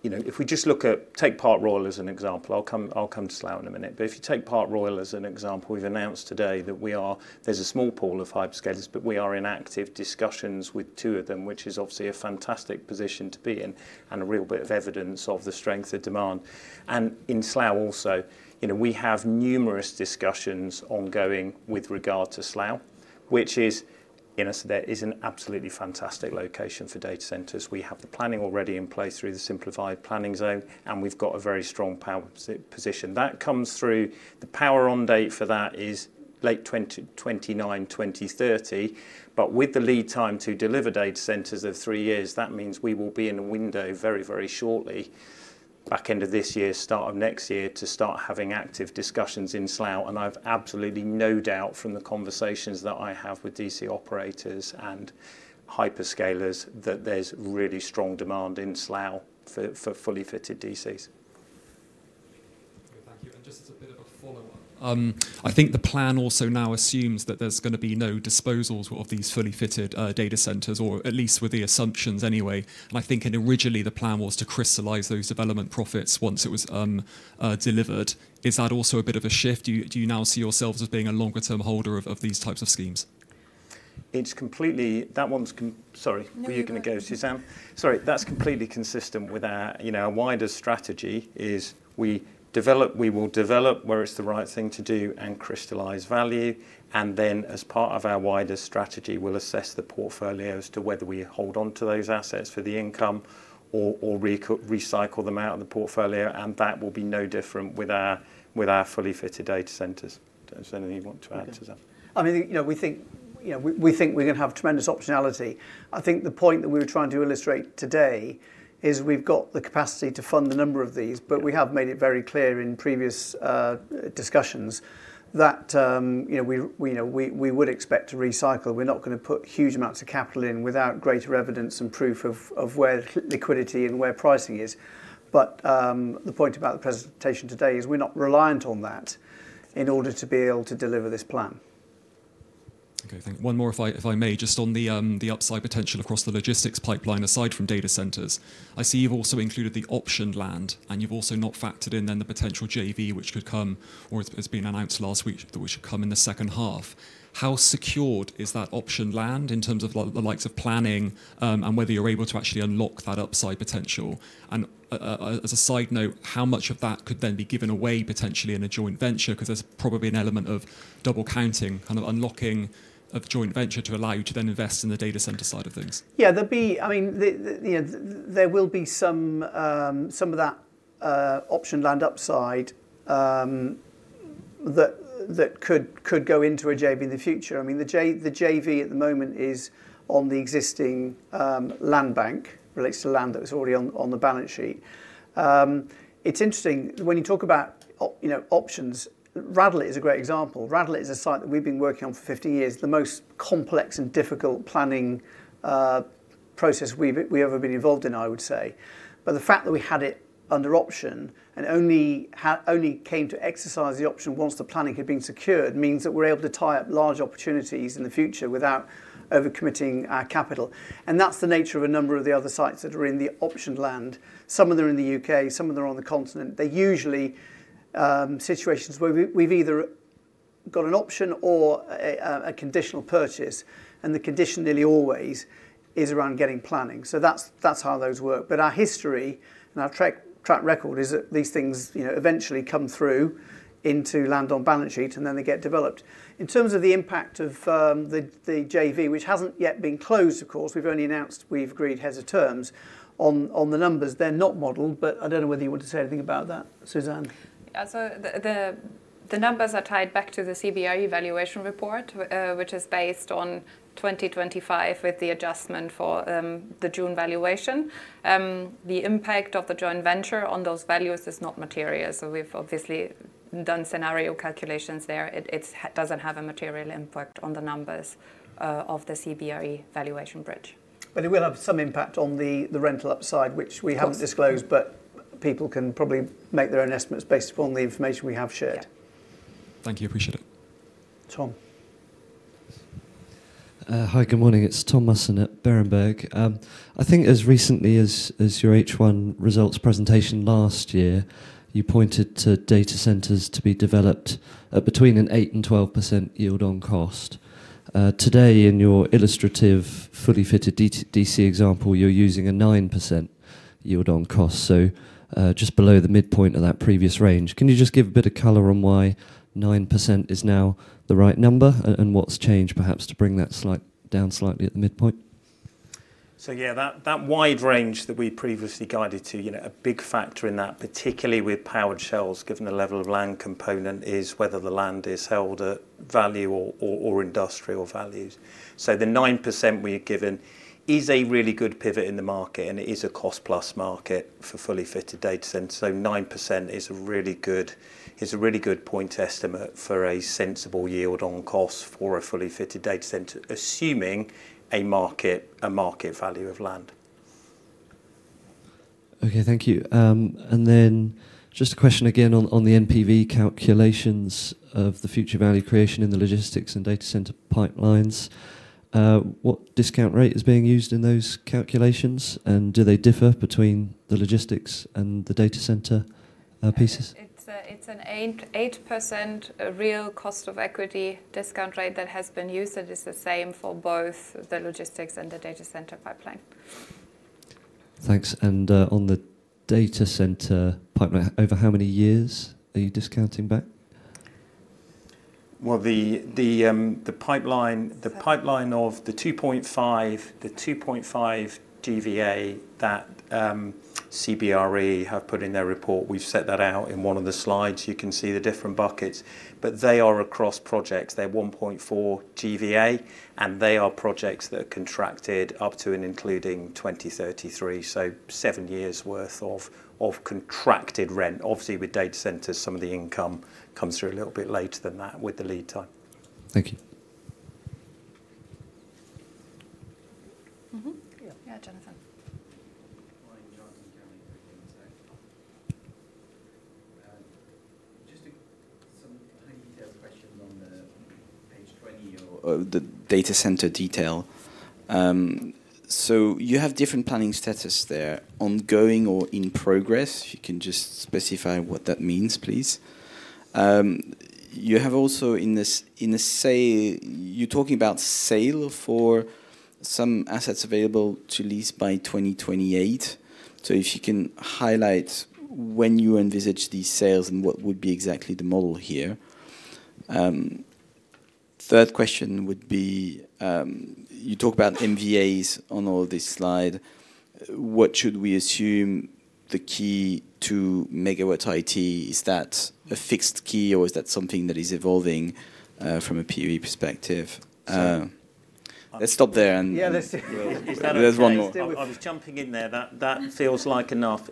If we just look at, take Park Royal as an example. I'll come to Slough in a minute. If you take Park Royal as an example, we've announced today that there's a small pool of hyperscalers, but we are in active discussions with two of them, which is obviously a fantastic position to be in and a real bit of evidence of the strength of demand. In Slough also, we have numerous discussions ongoing with regard to Slough, which is an absolutely fantastic location for data centers. We have the planning already in place through the simplified planning zone, and we've got a very strong power position. That comes through The power on date for that is late 2029, 2030. With the lead time to deliver data centers of three years, that means we will be in a window very shortly Back end of this year, start of next year, to start having active discussions in Slough. I've absolutely no doubt from the conversations that I have with DC operators and hyperscalers that there's really strong demand in Slough for fully fitted DCs. Okay. Thank you. Just as a bit of a follow-up, I think the plan also now assumes that there's going to be no disposals of these fully fitted data centers, or at least with the assumptions anyway. I think, originally, the plan was to crystallize those development profits once it was delivered. Is that also a bit of a shift? Do you now see yourselves as being a longer-term holder of these types of schemes? Sorry. No, you go ahead. You can go, Susanne. Sorry. That's completely consistent with our wider strategy, is we will develop where it's the right thing to do and crystallize value. Then as part of our wider strategy, we'll assess the portfolio as to whether we hold onto those assets for the income or recycle them out of the portfolio. That will be no different with our fully fitted data centers. Do you have anything you want to add to that? I mean, we think we're going to have tremendous optionality. I think the point that we were trying to illustrate today is we've got the capacity to fund a number of these. We have made it very clear in previous discussions that we would expect to recycle. We're not going to put huge amounts of capital in without greater evidence and proof of where liquidity and where pricing is. The point about the presentation today is we're not reliant on that in order to be able to deliver this plan. Okay, thank you. One more, if I may. Just on the upside potential across the logistics pipeline, aside from data centers. I see you've also included the optioned land. You've also not factored in then the potential JV, which could come, or as has been announced last week, that should come in the second half. How secured is that optioned land in terms of the likes of planning, and whether you're able to actually unlock that upside potential? As a side note, how much of that could then be given away, potentially, in a joint venture? Because there's probably an element of double counting, unlocking of joint venture to allow you to then invest in the data center side of things. Yeah. There will be some of that optioned land upside that could go into a JV in the future. I mean, the JV at the moment is on the existing land bank. Relates to land that was already on the balance sheet. It's interesting, when you talk about options, Radlett is a great example. Radlett is a site that we've been working on for 15 years. The most complex and difficult planning process we've ever been involved in, I would say. The fact that we had it under option and only came to exercise the option once the planning had been secured means that we're able to tie up large opportunities in the future without over-committing our capital. That's the nature of a number of the other sites that are in the optioned land. Some of them are in the U.K., some of them are on the continent. They're usually situations where we've either got an option or a conditional purchase, and the condition nearly always is around getting planning. That's how those work. Our history and our track record is that these things eventually come through into land on balance sheet, and then they get developed. In terms of the impact of the JV, which hasn't yet been closed, of course, we've only announced we've agreed heads of terms, on the numbers, they're not modeled. I don't know whether you want to say anything about that, Susanne. Yeah. The numbers are tied back to the CBRE valuation report, which is based on 2025 with the adjustment for the June valuation. The impact of the joint venture on those values is not material. We've obviously done scenario calculations there. It doesn't have a material impact on the numbers of the CBRE valuation bridge. It will have some impact on the rental upside, which we haven't disclosed, but people can probably make their own estimates based upon the information we have shared. Yeah. Thank you. Appreciate it. Tom. Hi, good morning. It's Tom Musson at Berenberg. I think as recently as your H1 results presentation last year, you pointed to data centers to be developed at between an 8% and 12% yield on cost. Today, in your illustrative fully fitted DC example, you're using a 9% yield on cost, so just below the midpoint of that previous range. Can you just give a bit of color on why 9% is now the right number and what's changed, perhaps, to bring that down slightly at the midpoint? Yeah, that wide range that we previously guided to, a big factor in that, particularly with powered shells, given the level of land component, is whether the land is held at value or industrial values. The 9% we had given is a really good pivot in the market, and it is a cost-plus market for fully fitted data centers. 9% is a really good point estimate for a sensible yield on cost for a fully fitted data center, assuming a market value of land. Okay, thank you. Just a question again on the NPV calculations of the future value creation in the industrial and logistics and data center pipelines. What discount rate is being used in those calculations, and do they differ between the industrial and logistics and the data center pieces? It's an 8% real cost of equity discount rate that has been used. It's the same for both the industrial and logistics and the data center pipeline. Thanks. On the data center pipeline, over how many years are you discounting back? The pipeline of the 2.5 GVA that CBRE have put in their report, we've set that out in one of the slides. You can see the different buckets. They are across projects. They're 1.4 GVA, and they are projects that are contracted up to and including 2033, so seven years' worth of contracted rent. Obviously, with data centers, some of the income comes through a little bit later than that with the lead time. Thank you. Yeah. Yeah, Jonathan. Hi. Jonathan Kelly from. [inaudible] Just some tiny detailed questions on page 20, the data center detail. You have different planning status there, ongoing or in progress. If you can just specify what that means, please. You have also, you're talking about sale for some assets available to lease by 2028. If you can highlight when you envisage these sales and what would be exactly the model here. Third question would be, you talk about MVAs on all this slide. What should we assume the key to megawatt IT, is that a fixed key or is that something that is evolving, from a PUE perspective? Yeah, let's. There's one more. Is that okay? I was jumping in there. That feels like enough.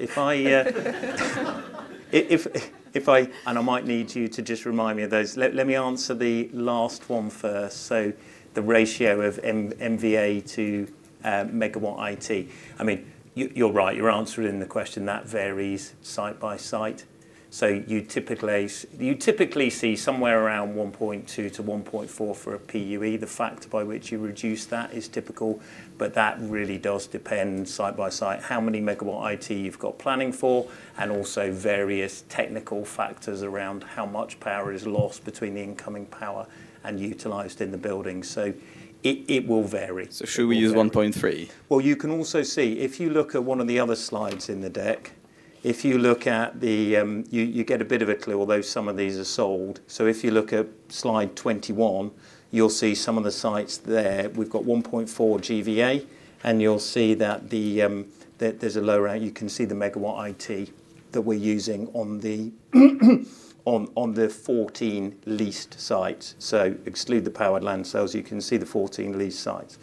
I might need you to just remind me of those. Let me answer the last one first. The ratio of MVA to megawatt IT. You're right. You're answering the question. That varies site by site. You typically see somewhere around 1.2-1.4 for a PUE. The factor by which you reduce that is typical, but that really does depend site by site, how many megawatt IT you've got planning for, and also various technical factors around how much power is lost between the incoming power and utilized in the building. It will vary. Should we use 1.3? Well, you can also see, if you look at one of the other slides in the deck, you get a bit of a clue, although some of these are sold. If you look at slide 21, you'll see some of the sites there. We've got 1.4 GVA. You'll see that there's a low rate. You can see the megawatt IT that we're using on the 14 leased sites. Exclude the powered land sales, you can see the 14 leased sites.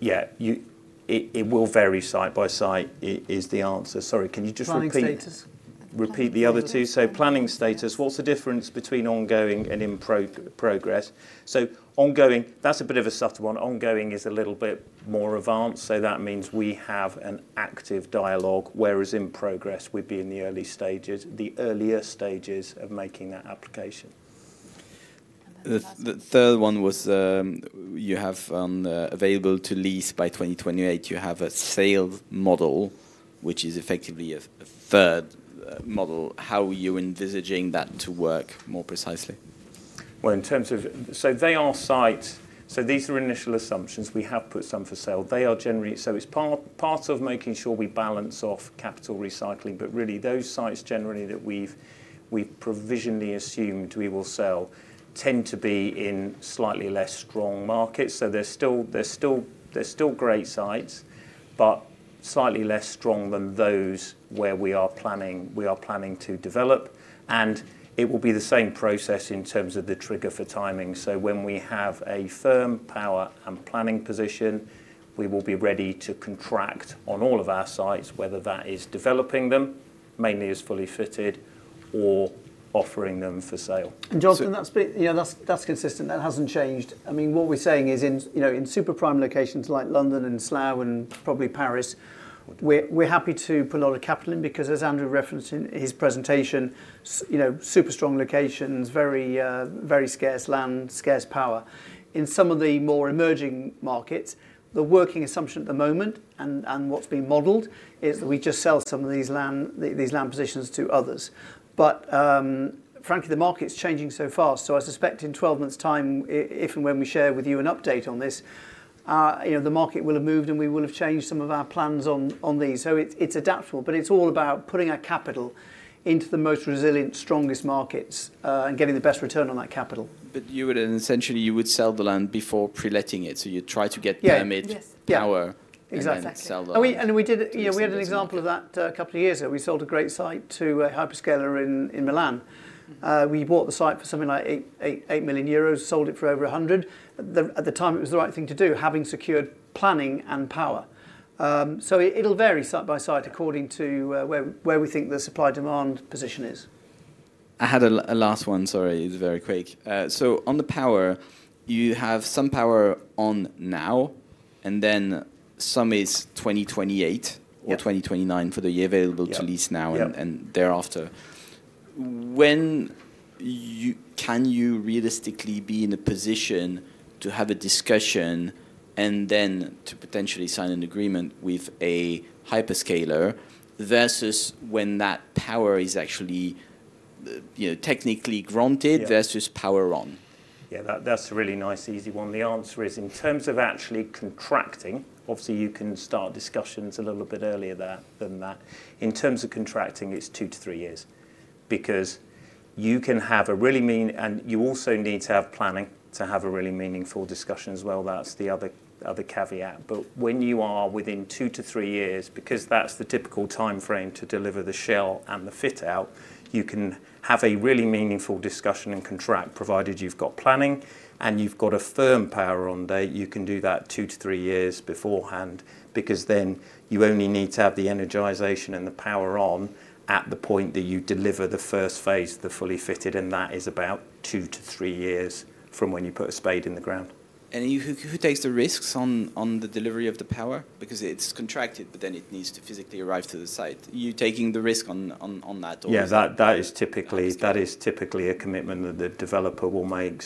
Yeah, it will vary site by site is the answer. Sorry, can you just repeat. Planning status Repeat the other two? Planning status, what's the difference between ongoing and in progress? Ongoing, that's a bit of a subtle one. Ongoing is a little bit more advanced, so that means we have an active dialogue, whereas in progress, we'd be in the earlier stages of making that application. The last one. The third one was, you have available to lease by 2028. You have a sales model, which is effectively a third model. How are you envisaging that to work more precisely? These are initial assumptions. We have put some for sale. It's part of making sure we balance off capital recycling, really those sites generally that we've provisionally assumed we will sell tend to be in slightly less strong markets. They're still great sites, but slightly less strong than those where we are planning to develop, and it will be the same process in terms of the trigger for timing. When we have a firm power and planning position, we will be ready to contract on all of our sites, whether that is developing them, mainly as fully fitted or offering them for sale. Jonathan, that's consistent. That hasn't changed. What we're saying is in super prime locations like London and Slough and probably Paris, we're happy to put a lot of capital in because as Andrew referenced in his presentation, super strong locations, very scarce land, scarce power. In some of the more emerging markets, the working assumption at the moment and what's been modeled is we just sell some of these land positions to others. Frankly, the market's changing so fast, so I suspect in 12 months time, if and when we share with you an update on this, the market will have moved, and we will have changed some of our plans on these. It's adaptable, but it's all about putting our capital into the most resilient, strongest markets, and getting the best return on that capital. Essentially, you would sell the land before pre-letting it, so you try to get permit- Yeah. Yes power- Exactly Then sell the land. We had an example of that a couple of years ago. We sold a great site to a hyperscaler in Milan. We bought the site for something like 8 million euros, sold it for over 100 million. At the time, it was the right thing to do, having secured planning and power. It'll vary site by site according to where we think the supply-demand position is. I had a last one, sorry. It's very quick. On the power, you have some power on now, and then some is 2028 or 2029 for the available to lease now and thereafter. Yeah. When can you realistically be in a position to have a discussion and then to potentially sign an agreement with a hyperscaler versus when that power is actually technically granted versus power on? That's a really nice, easy one. The answer is in terms of actually contracting, obviously, you can start discussions a little bit earlier than that. In terms of contracting, it's two to three years because you can have a really mean, and you also need to have planning to have a really meaningful discussion as well. That's the other caveat. When you are within two to three years, because that's the typical timeframe to deliver the shell and the fit-out, you can have a really meaningful discussion and contract, provided you've got planning and you've got a firm power on date. You can do that two to three years beforehand because then you only need to have the energization and the power on at the point that you deliver the first phase, the fully fitted. That is about two to three years from when you put a spade in the ground. Who takes the risks on the delivery of the power? Because it's contracted, but then it needs to physically arrive to the site. Are you taking the risk on that? That is typically a commitment that the developer will make.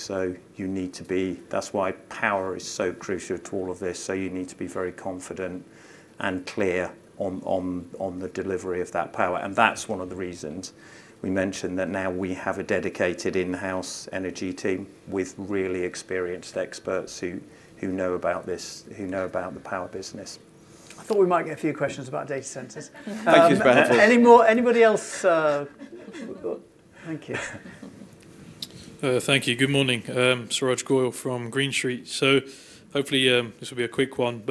That's why power is so crucial to all of this. You need to be very confident and clear on the delivery of that power. That's one of the reasons we mentioned that now we have a dedicated in-house energy team with really experienced experts who know about this, who know about the power business. I thought we might get a few questions about data centers. Thank you for that. Any more? Anybody else? Thank you. Thank you. Good morning. Suraj Goyal from Green Street. Hopefully, this will be a quick one.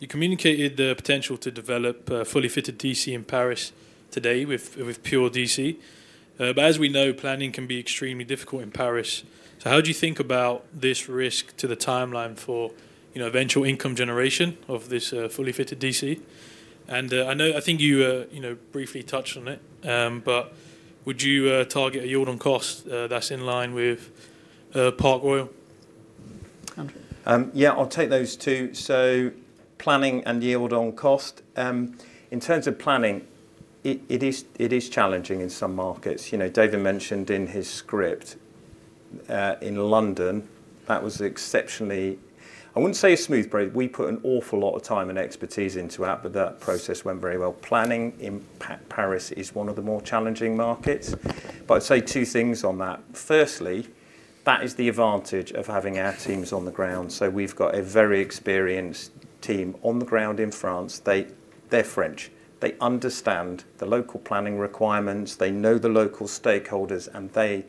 You communicated the potential to develop a fully fitted DC in Paris today with Pure DC. As we know, planning can be extremely difficult in Paris. How do you think about this risk to the timeline for eventual income generation of this fully fitted DC? I think you briefly touched on it, but would you target a yield on cost that's in line with Park Royal? Andrew? Yeah, I'll take those two. Planning and yield on cost. In terms of planning, it is challenging in some markets. David mentioned in his script, in London, that was exceptionally, I wouldn't say a smooth break. We put an awful lot of time and expertise into that, but that process went very well. Planning in Paris is one of the more challenging markets, I'd say two things on that. Firstly, that is the advantage of having our teams on the ground. We've got a very experienced team on the ground in France. They're French. They understand the local planning requirements, they know the local stakeholders, and they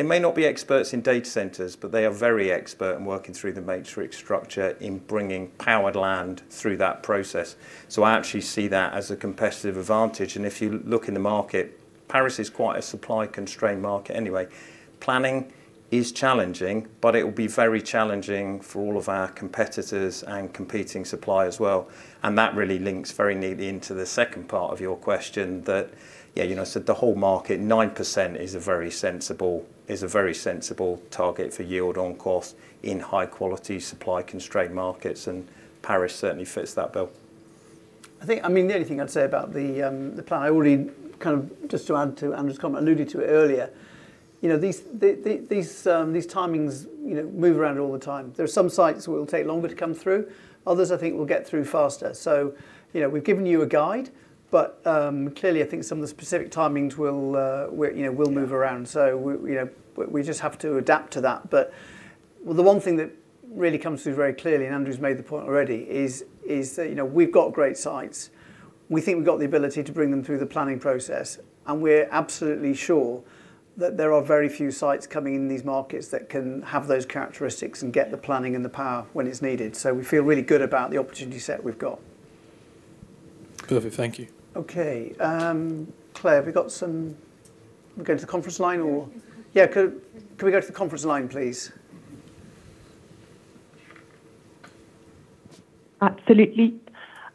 may not be experts in data centers, but they are very expert in working through the matrix structure in bringing powered land through that process. I actually see that as a competitive advantage. If you look in the market, Paris is quite a supply-constrained market anyway. Planning is challenging, but it will be very challenging for all of our competitors and competing supply as well. That really links very neatly into the second part of your question that, yeah, the whole market, 9% is a very sensible target for yield on cost in high quality, supply-constrained markets. Paris certainly fits that bill. The only thing I'd say about the plan, I already, just to add to Andrew's comment, alluded to it earlier. These timings move around all the time. There are some sites where it'll take longer to come through. Others, I think will get through faster. We've given you a guide, but clearly, I think some of the specific timings will move around. We just have to adapt to that. The one thing that really comes through very clearly, Andrew's made the point already, is that we've got great sites. We think we've got the ability to bring them through the planning process, and we're absolutely sure that there are very few sites coming in these markets that can have those characteristics and get the planning and the power when it's needed. We feel really good about the opportunity set we've got. Perfect. Thank you. Claire, are we going to the conference line, or? Yeah. Yeah. Can we go to the conference line, please? Absolutely.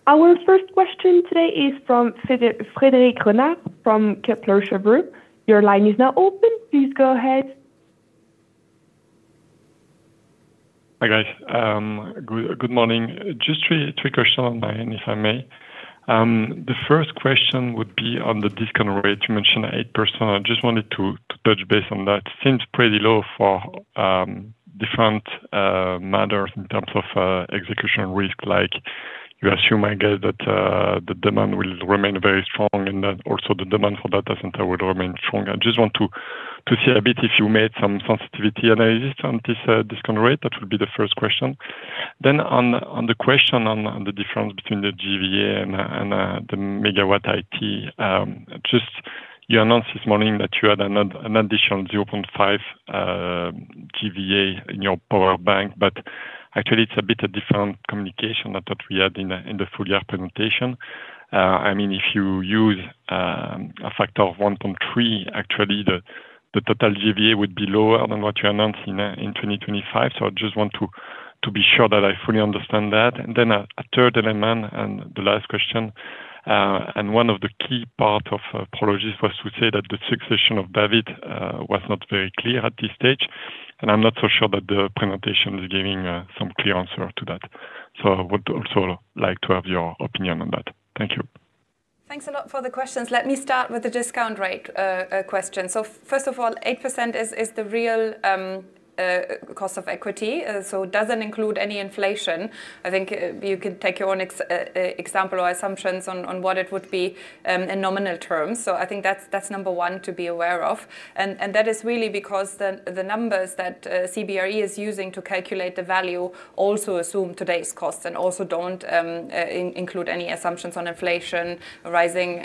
Our first question today is from Frédéric Renard from Kepler Cheuvreux. Your line is now open. Please go ahead. Hi, guys. Good morning. Just three questions on my end, if I may. The first question would be on the discount rate. You mentioned 8%. I just wanted to touch base on that. Seems pretty low for different matters in terms of execution risk, like you assume, I guess, that the demand will remain very strong and that also the demand for data center will remain strong. I just want to see a bit if you made some sensitivity analysis on this discount rate. That would be the first question. Then on the question on the difference between the GVA and the megawatt IT, you announced this morning that you had an additional 0.5 GVA in your power bank, but actually, it's a bit of different communication than what we had in the full-year presentation. If you use a factor of 1.3, actually, the total GVA would be lower than what you announced in 2025. A third element, the last question, one of the key part of Prologis was to say that the succession of David was not very clear at this stage, and I'm not so sure that the presentation is giving some clear answer to that. I would also like to have your opinion on that. Thank you. Thanks a lot for the questions. Let me start with the discount rate question. First of all, 8% is the real cost of equity, so it doesn't include any inflation. I think you could take your own example or assumptions on what it would be in nominal terms. I think that's number one to be aware of. That is really because the numbers that CBRE is using to calculate the value also assume today's costs and also don't include any assumptions on inflation, rising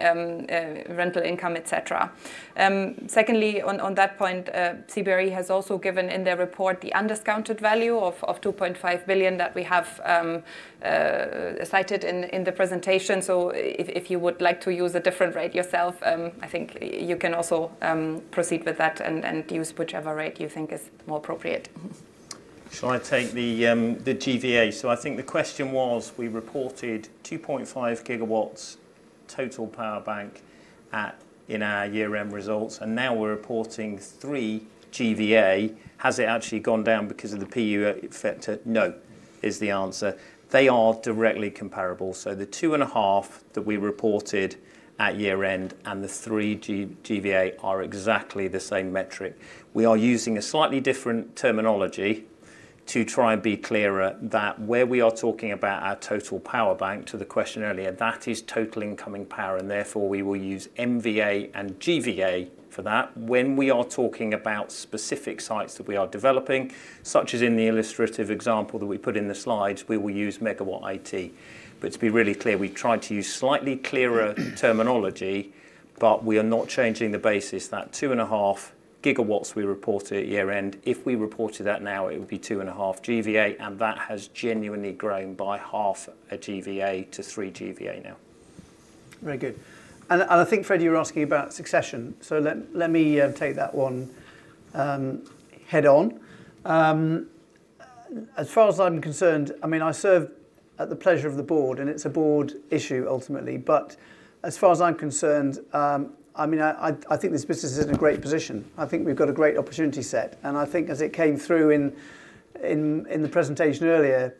rental income, et cetera. Secondly, on that point, CBRE has also given in their report the undiscounted value of 2.5 billion that we have cited in the presentation. If you would like to use a different rate yourself, I think you can also proceed with that and use whichever rate you think is more appropriate. Shall I take the GVA? I think the question was, we reported 2.5 GW total power bank in our year-end results, and now we're reporting 3.0 GVA. Has it actually gone down because of the PUE effect? No is the answer. They are directly comparable. The 2.5 that we reported at year-end and the 3.0 GVA are exactly the same metric. We are using a slightly different terminology to try and be clearer that where we are talking about our total power bank, to the question earlier, that is total incoming power, and therefore, we will use MVA and GVA for that. When we are talking about specific sites that we are developing, such as in the illustrative example that we put in the slides, we will use megawatt IT. To be really clear, we tried to use slightly clearer terminology, but we are not changing the basis. That 2.5 GW we reported at year-end, if we reported that now, it would be 2.5 GVA, and that has genuinely grown by 0.5 GVA to 3.0 GVA now. Very good. I think, Fred, you were asking about succession. Let me take that one head on. As far as I'm concerned, I serve at the pleasure of the board, and it's a board issue ultimately. As far as I'm concerned, I think this business is in a great position. I think we've got a great opportunity set. I think as it came through in the presentation earlier,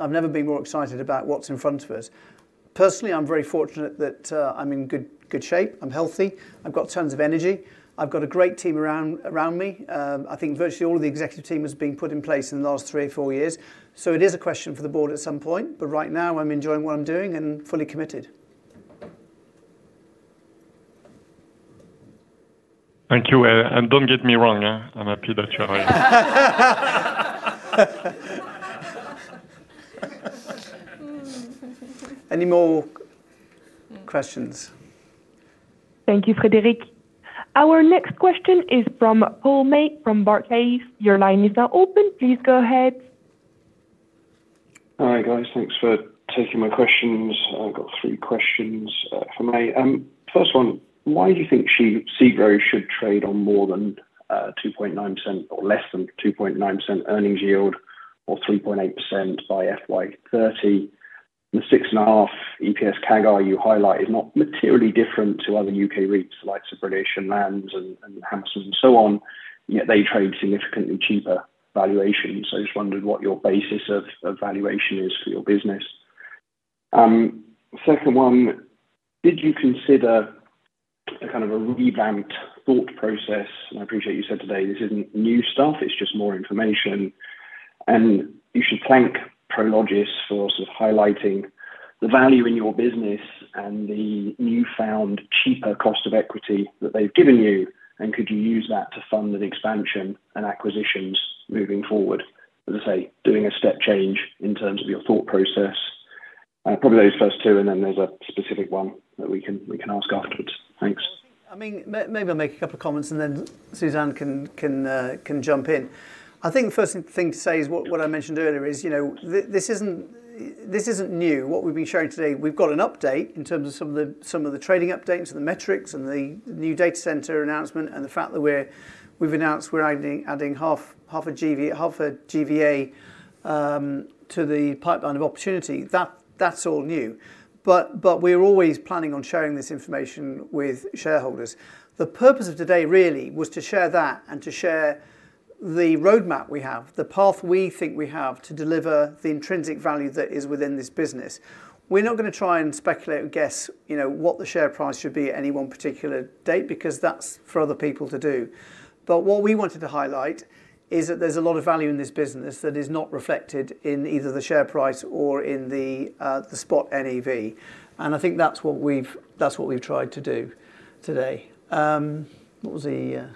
I've never been more excited about what's in front of us. Personally, I'm very fortunate that I'm in good shape. I'm healthy. I've got tons of energy. I've got a great team around me. I think virtually all of the executive team has been put in place in the last three or four years. It is a question for the board at some point, but right now I'm enjoying what I'm doing and fully committed. Thank you. Don't get me wrong, I'm happy that you are here. Any more questions? Thank you, Frédéric. Our next question is from Paul May from Barclays. Your line is now open. Please go ahead. All right, guys. Thanks for taking my questions. I've got three questions if I may. First one, why do you think SEGRO should trade on more than 2.9% or less than 2.9% earnings yield or 3.8% by FY 2030? The six and a half EPS CAGR you highlight is not materially different to other U.K. REITs, the likes of British Land and Hammerson and so on, yet they trade significantly cheaper valuations. I just wondered what your basis of valuation is for your business. Second one, did you consider a revamped thought process? I appreciate you said today this isn't new stuff, it's just more information, and you should thank Prologis for highlighting the value in your business and the newfound cheaper cost of equity that they've given you, and could you use that to fund an expansion and acquisitions moving forward? As I say, doing a step change in terms of your thought process. Probably those first two, and then there's a specific one that we can ask afterwards. Thanks. Maybe I'll make a couple comments, and then Susanne can jump in. I think the first thing to say is what I mentioned earlier, is this isn't new. What we've been showing today, we've got an update in terms of some of the trading updates and the metrics and the new data center announcement and the fact that we've announced we're adding half a GVA to the pipeline of opportunity. That's all new. We're always planning on sharing this information with shareholders. The purpose of today really was to share that and to share the roadmap we have, the path we think we have to deliver the intrinsic value that is within this business. We're not going to try and speculate or guess what the share price should be at any one particular date, because that's for other people to do. What we wanted to highlight is that there's a lot of value in this business that is not reflected in either the share price or in the spot NAV. I think that's what we've tried to do today. What was the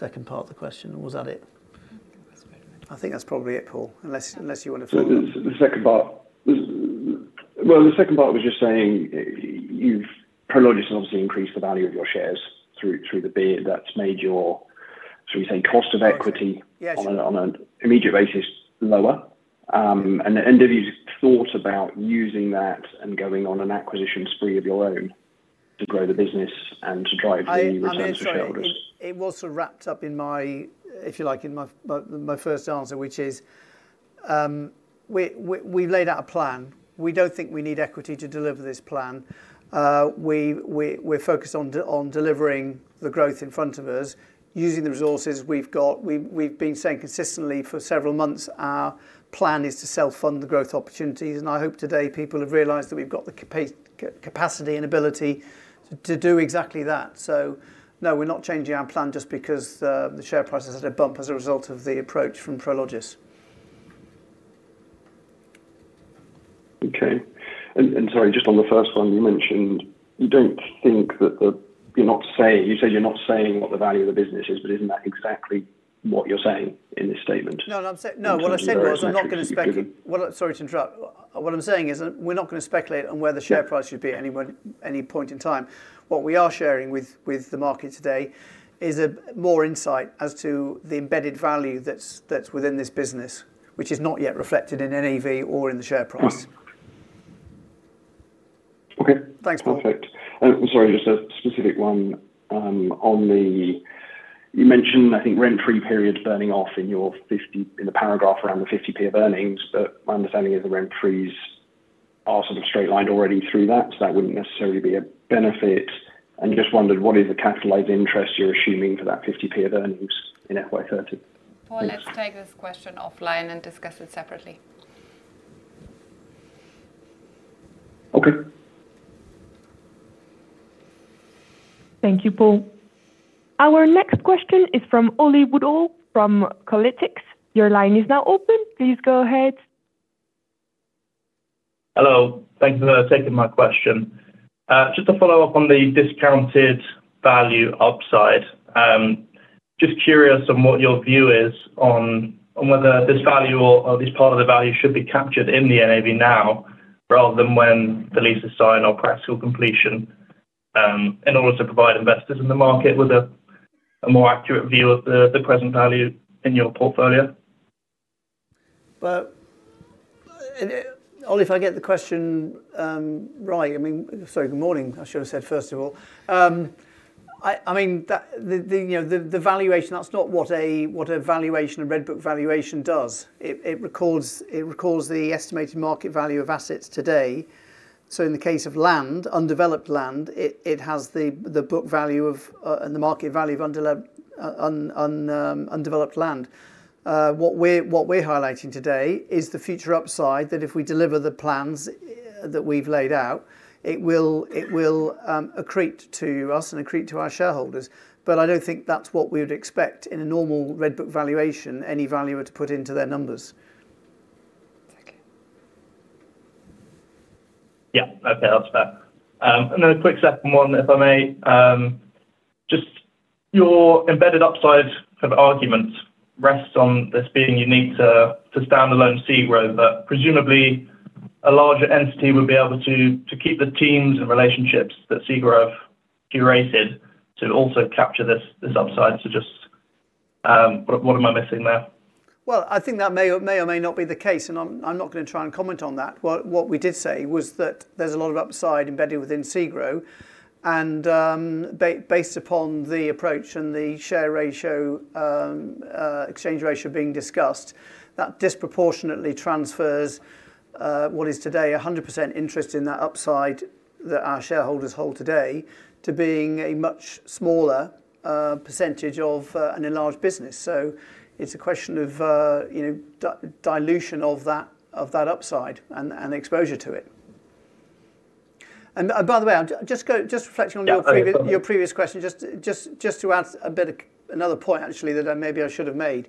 second part of the question, or was that it? I think that's it. I think that's probably it, Paul, unless you want to follow up. The second part was just saying Prologis has obviously increased the value of your shares through the bid. That's made your, shall we say, cost of equity- Yes on an immediate basis, lower. Have you thought about using that and going on an acquisition spree of your own to grow the business and to drive the returns for shareholders? I'm sorry. It was sort of wrapped up in my, if you like, in my first answer, which is, we've laid out a plan. We don't think we need equity to deliver this plan. We're focused on delivering the growth in front of us using the resources we've got. We've been saying consistently for several months our plan is to self-fund the growth opportunities, and I hope today people have realized that we've got the capacity and ability to do exactly that. No, we're not changing our plan just because the share price has had a bump as a result of the approach from Prologis. Okay. Sorry, just on the first one, you mentioned. You said you're not saying what the value of the business is, but isn't that exactly what you're saying in this statement? No, what I said was we're not going to speculate- In terms of those metrics that you've given. Sorry to interrupt. What I'm saying is we're not going to speculate on where the share price should be at any point in time. What we are sharing with the market today is more insight as to the embedded value that's within this business, which is not yet reflected in NAV or in the share price. Okay. Thanks, Paul. Perfect. I'm sorry, just a specific one. On the You mentioned, I think, rent-free periods burning off in the paragraph around the 0.50 of earnings, but my understanding is the rent-frees are sort of straight-lined already through that, so that wouldn't necessarily be a benefit. Just wondered, what is the capitalized interest you're assuming for that 0.50 of earnings in FY 2030? Paul, let's take this question offline and discuss it separately. Okay. Thank you, Paul. Our next question is from Oli Woodall from Kolytics. Your line is now open. Please go ahead. Hello. Thanks for taking my question. To follow up on the discounted value upside. Curious on what your view is on whether this value or this part of the value should be captured in the NAV now, rather than when the lease is signed or practical completion, in order to provide investors in the market with a more accurate view of the present value in your portfolio. Oli, if I get the question right. Sorry, good morning, I should have said first of all. The valuation, that's not what a red book valuation does. It records the estimated market value of assets today. In the case of undeveloped land, it has the book value and the market value of undeveloped land. What we're highlighting today is the future upside, that if we deliver the plans that we've laid out, it will accrete to us and accrete to our shareholders. I don't think that's what we would expect in a normal red book valuation, any valuer to put into their numbers. Yeah. Okay, that's fair. Then a quick second one, if I may. Your embedded upside for the argument rests on this being unique to standalone SEGRO, but presumably, a larger entity would be able to keep the teams and relationships that SEGRO curated to also capture this upside. Just, what am I missing there? Well, I think that may or may not be the case. I'm not going to try and comment on that. What we did say was that there's a lot of upside embedded within SEGRO. Based upon the approach and the share ratio, exchange ratio being discussed, that disproportionately transfers what is today 100% interest in that upside that our shareholders hold today, to being a much smaller percentage of an enlarged business. It's a question of dilution of that upside and exposure to it. By the way, just reflecting on your previous Yeah Your previous question, just to add another point, actually, that maybe I should have made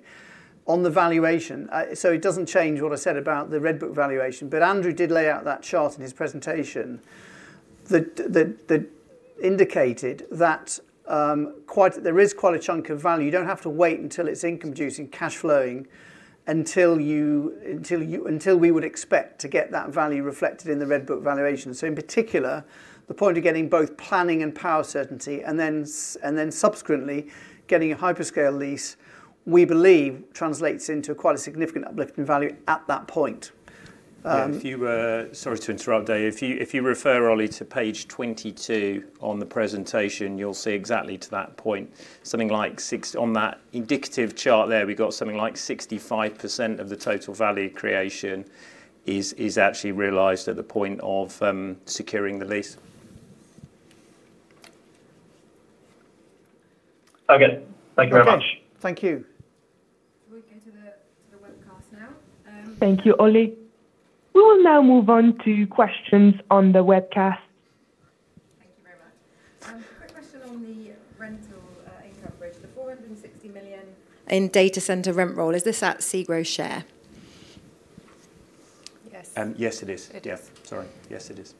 on the valuation. It doesn't change what I said about the red book valuation. Andrew did lay out that chart in his presentation, that indicated that there is quite a chunk of value. You don't have to wait until it's income producing, cash flowing, until we would expect to get that value reflected in the red book valuation. In particular, the point of getting both planning and power certainty, and then subsequently getting a hyperscale lease, we believe translates into quite a significant uplift in value at that point. Sorry to interrupt, David. If you refer, Oli, to page 22 on the presentation, you'll see exactly to that point. On that indicative chart there, we've got something like 65% of the total value creation is actually realized at the point of securing the lease. Okay. Thank you very much. Okay. Thank you. We will go to the webcast now. Thank you, Oli. We will now move on to questions on the webcast. Thank you very much. Quick question on the rental income bridge. The 460 million in data center rent roll, is this at SEGRO share? Yes. Yes, it is. It is. Yeah. Sorry. Yes, it is.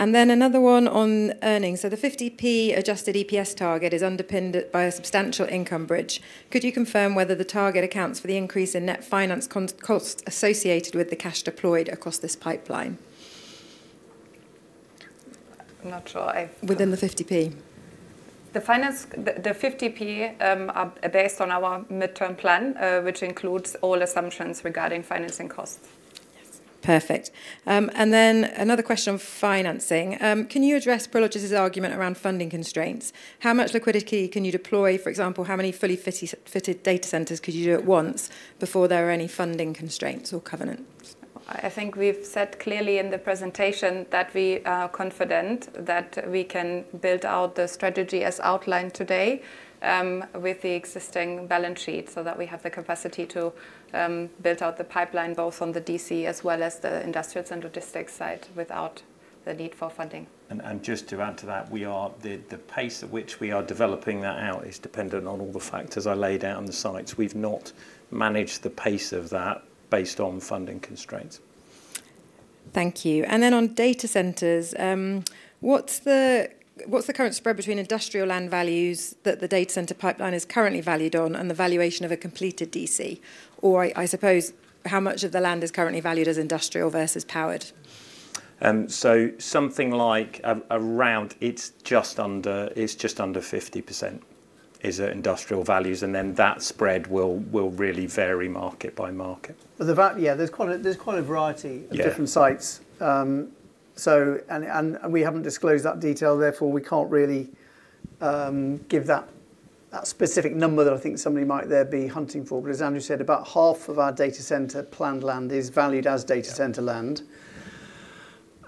Another one on earnings. The 0.50 adjusted EPS target is underpinned by a substantial income bridge. Could you confirm whether the target accounts for the increase in net finance cost associated with the cash deployed across this pipeline? I'm not sure. Within the 0.50. The 0.50 are based on our midterm plan, which includes all assumptions regarding financing costs. Yes. Perfect. Then another question on financing. Can you address Prologis' argument around funding constraints? How much liquidity can you deploy? For example, how many fully fitted data centers could you do at once, before there are any funding constraints or covenants? I think we've said clearly in the presentation that we are confident that we can build out the strategy as outlined today, with the existing balance sheet, so that we have the capacity to build out the pipeline, both on the DC as well as the industrial and logistics site, without the need for funding. Just to add to that, the pace at which we are developing that out is dependent on all the factors I laid out on the sites. We've not managed the pace of that based on funding constraints. Thank you. Then on data centers, what's the current spread between industrial land values that the data center pipeline is currently valued on, and the valuation of a completed DC? Or I suppose, how much of the land is currently valued as industrial versus powered? Something like, it's just under 50%, is at industrial values, then that spread will really vary market by market. Yeah. There's quite a variety. Yeah of different sites. We haven't disclosed that detail, therefore, we can't really give that specific number that I think somebody might there be hunting for. As Andrew said, about half of our data center planned land is valued as data center land,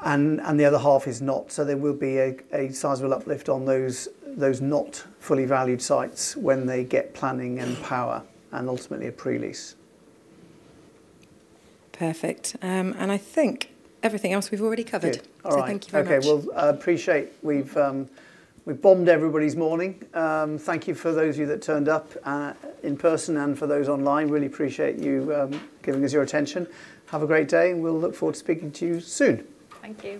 and the other half is not. There will be a sizable uplift on those not fully valued sites when they get planning and power, and ultimately a pre-lease. Perfect. I think everything else we've already covered. Good. All right. Thank you very much. Okay. Well, I appreciate we've bombed everybody's morning. Thank you for those of you that turned up in person and for those online, really appreciate you giving us your attention. Have a great day, and we'll look forward to speaking to you soon. Thank you.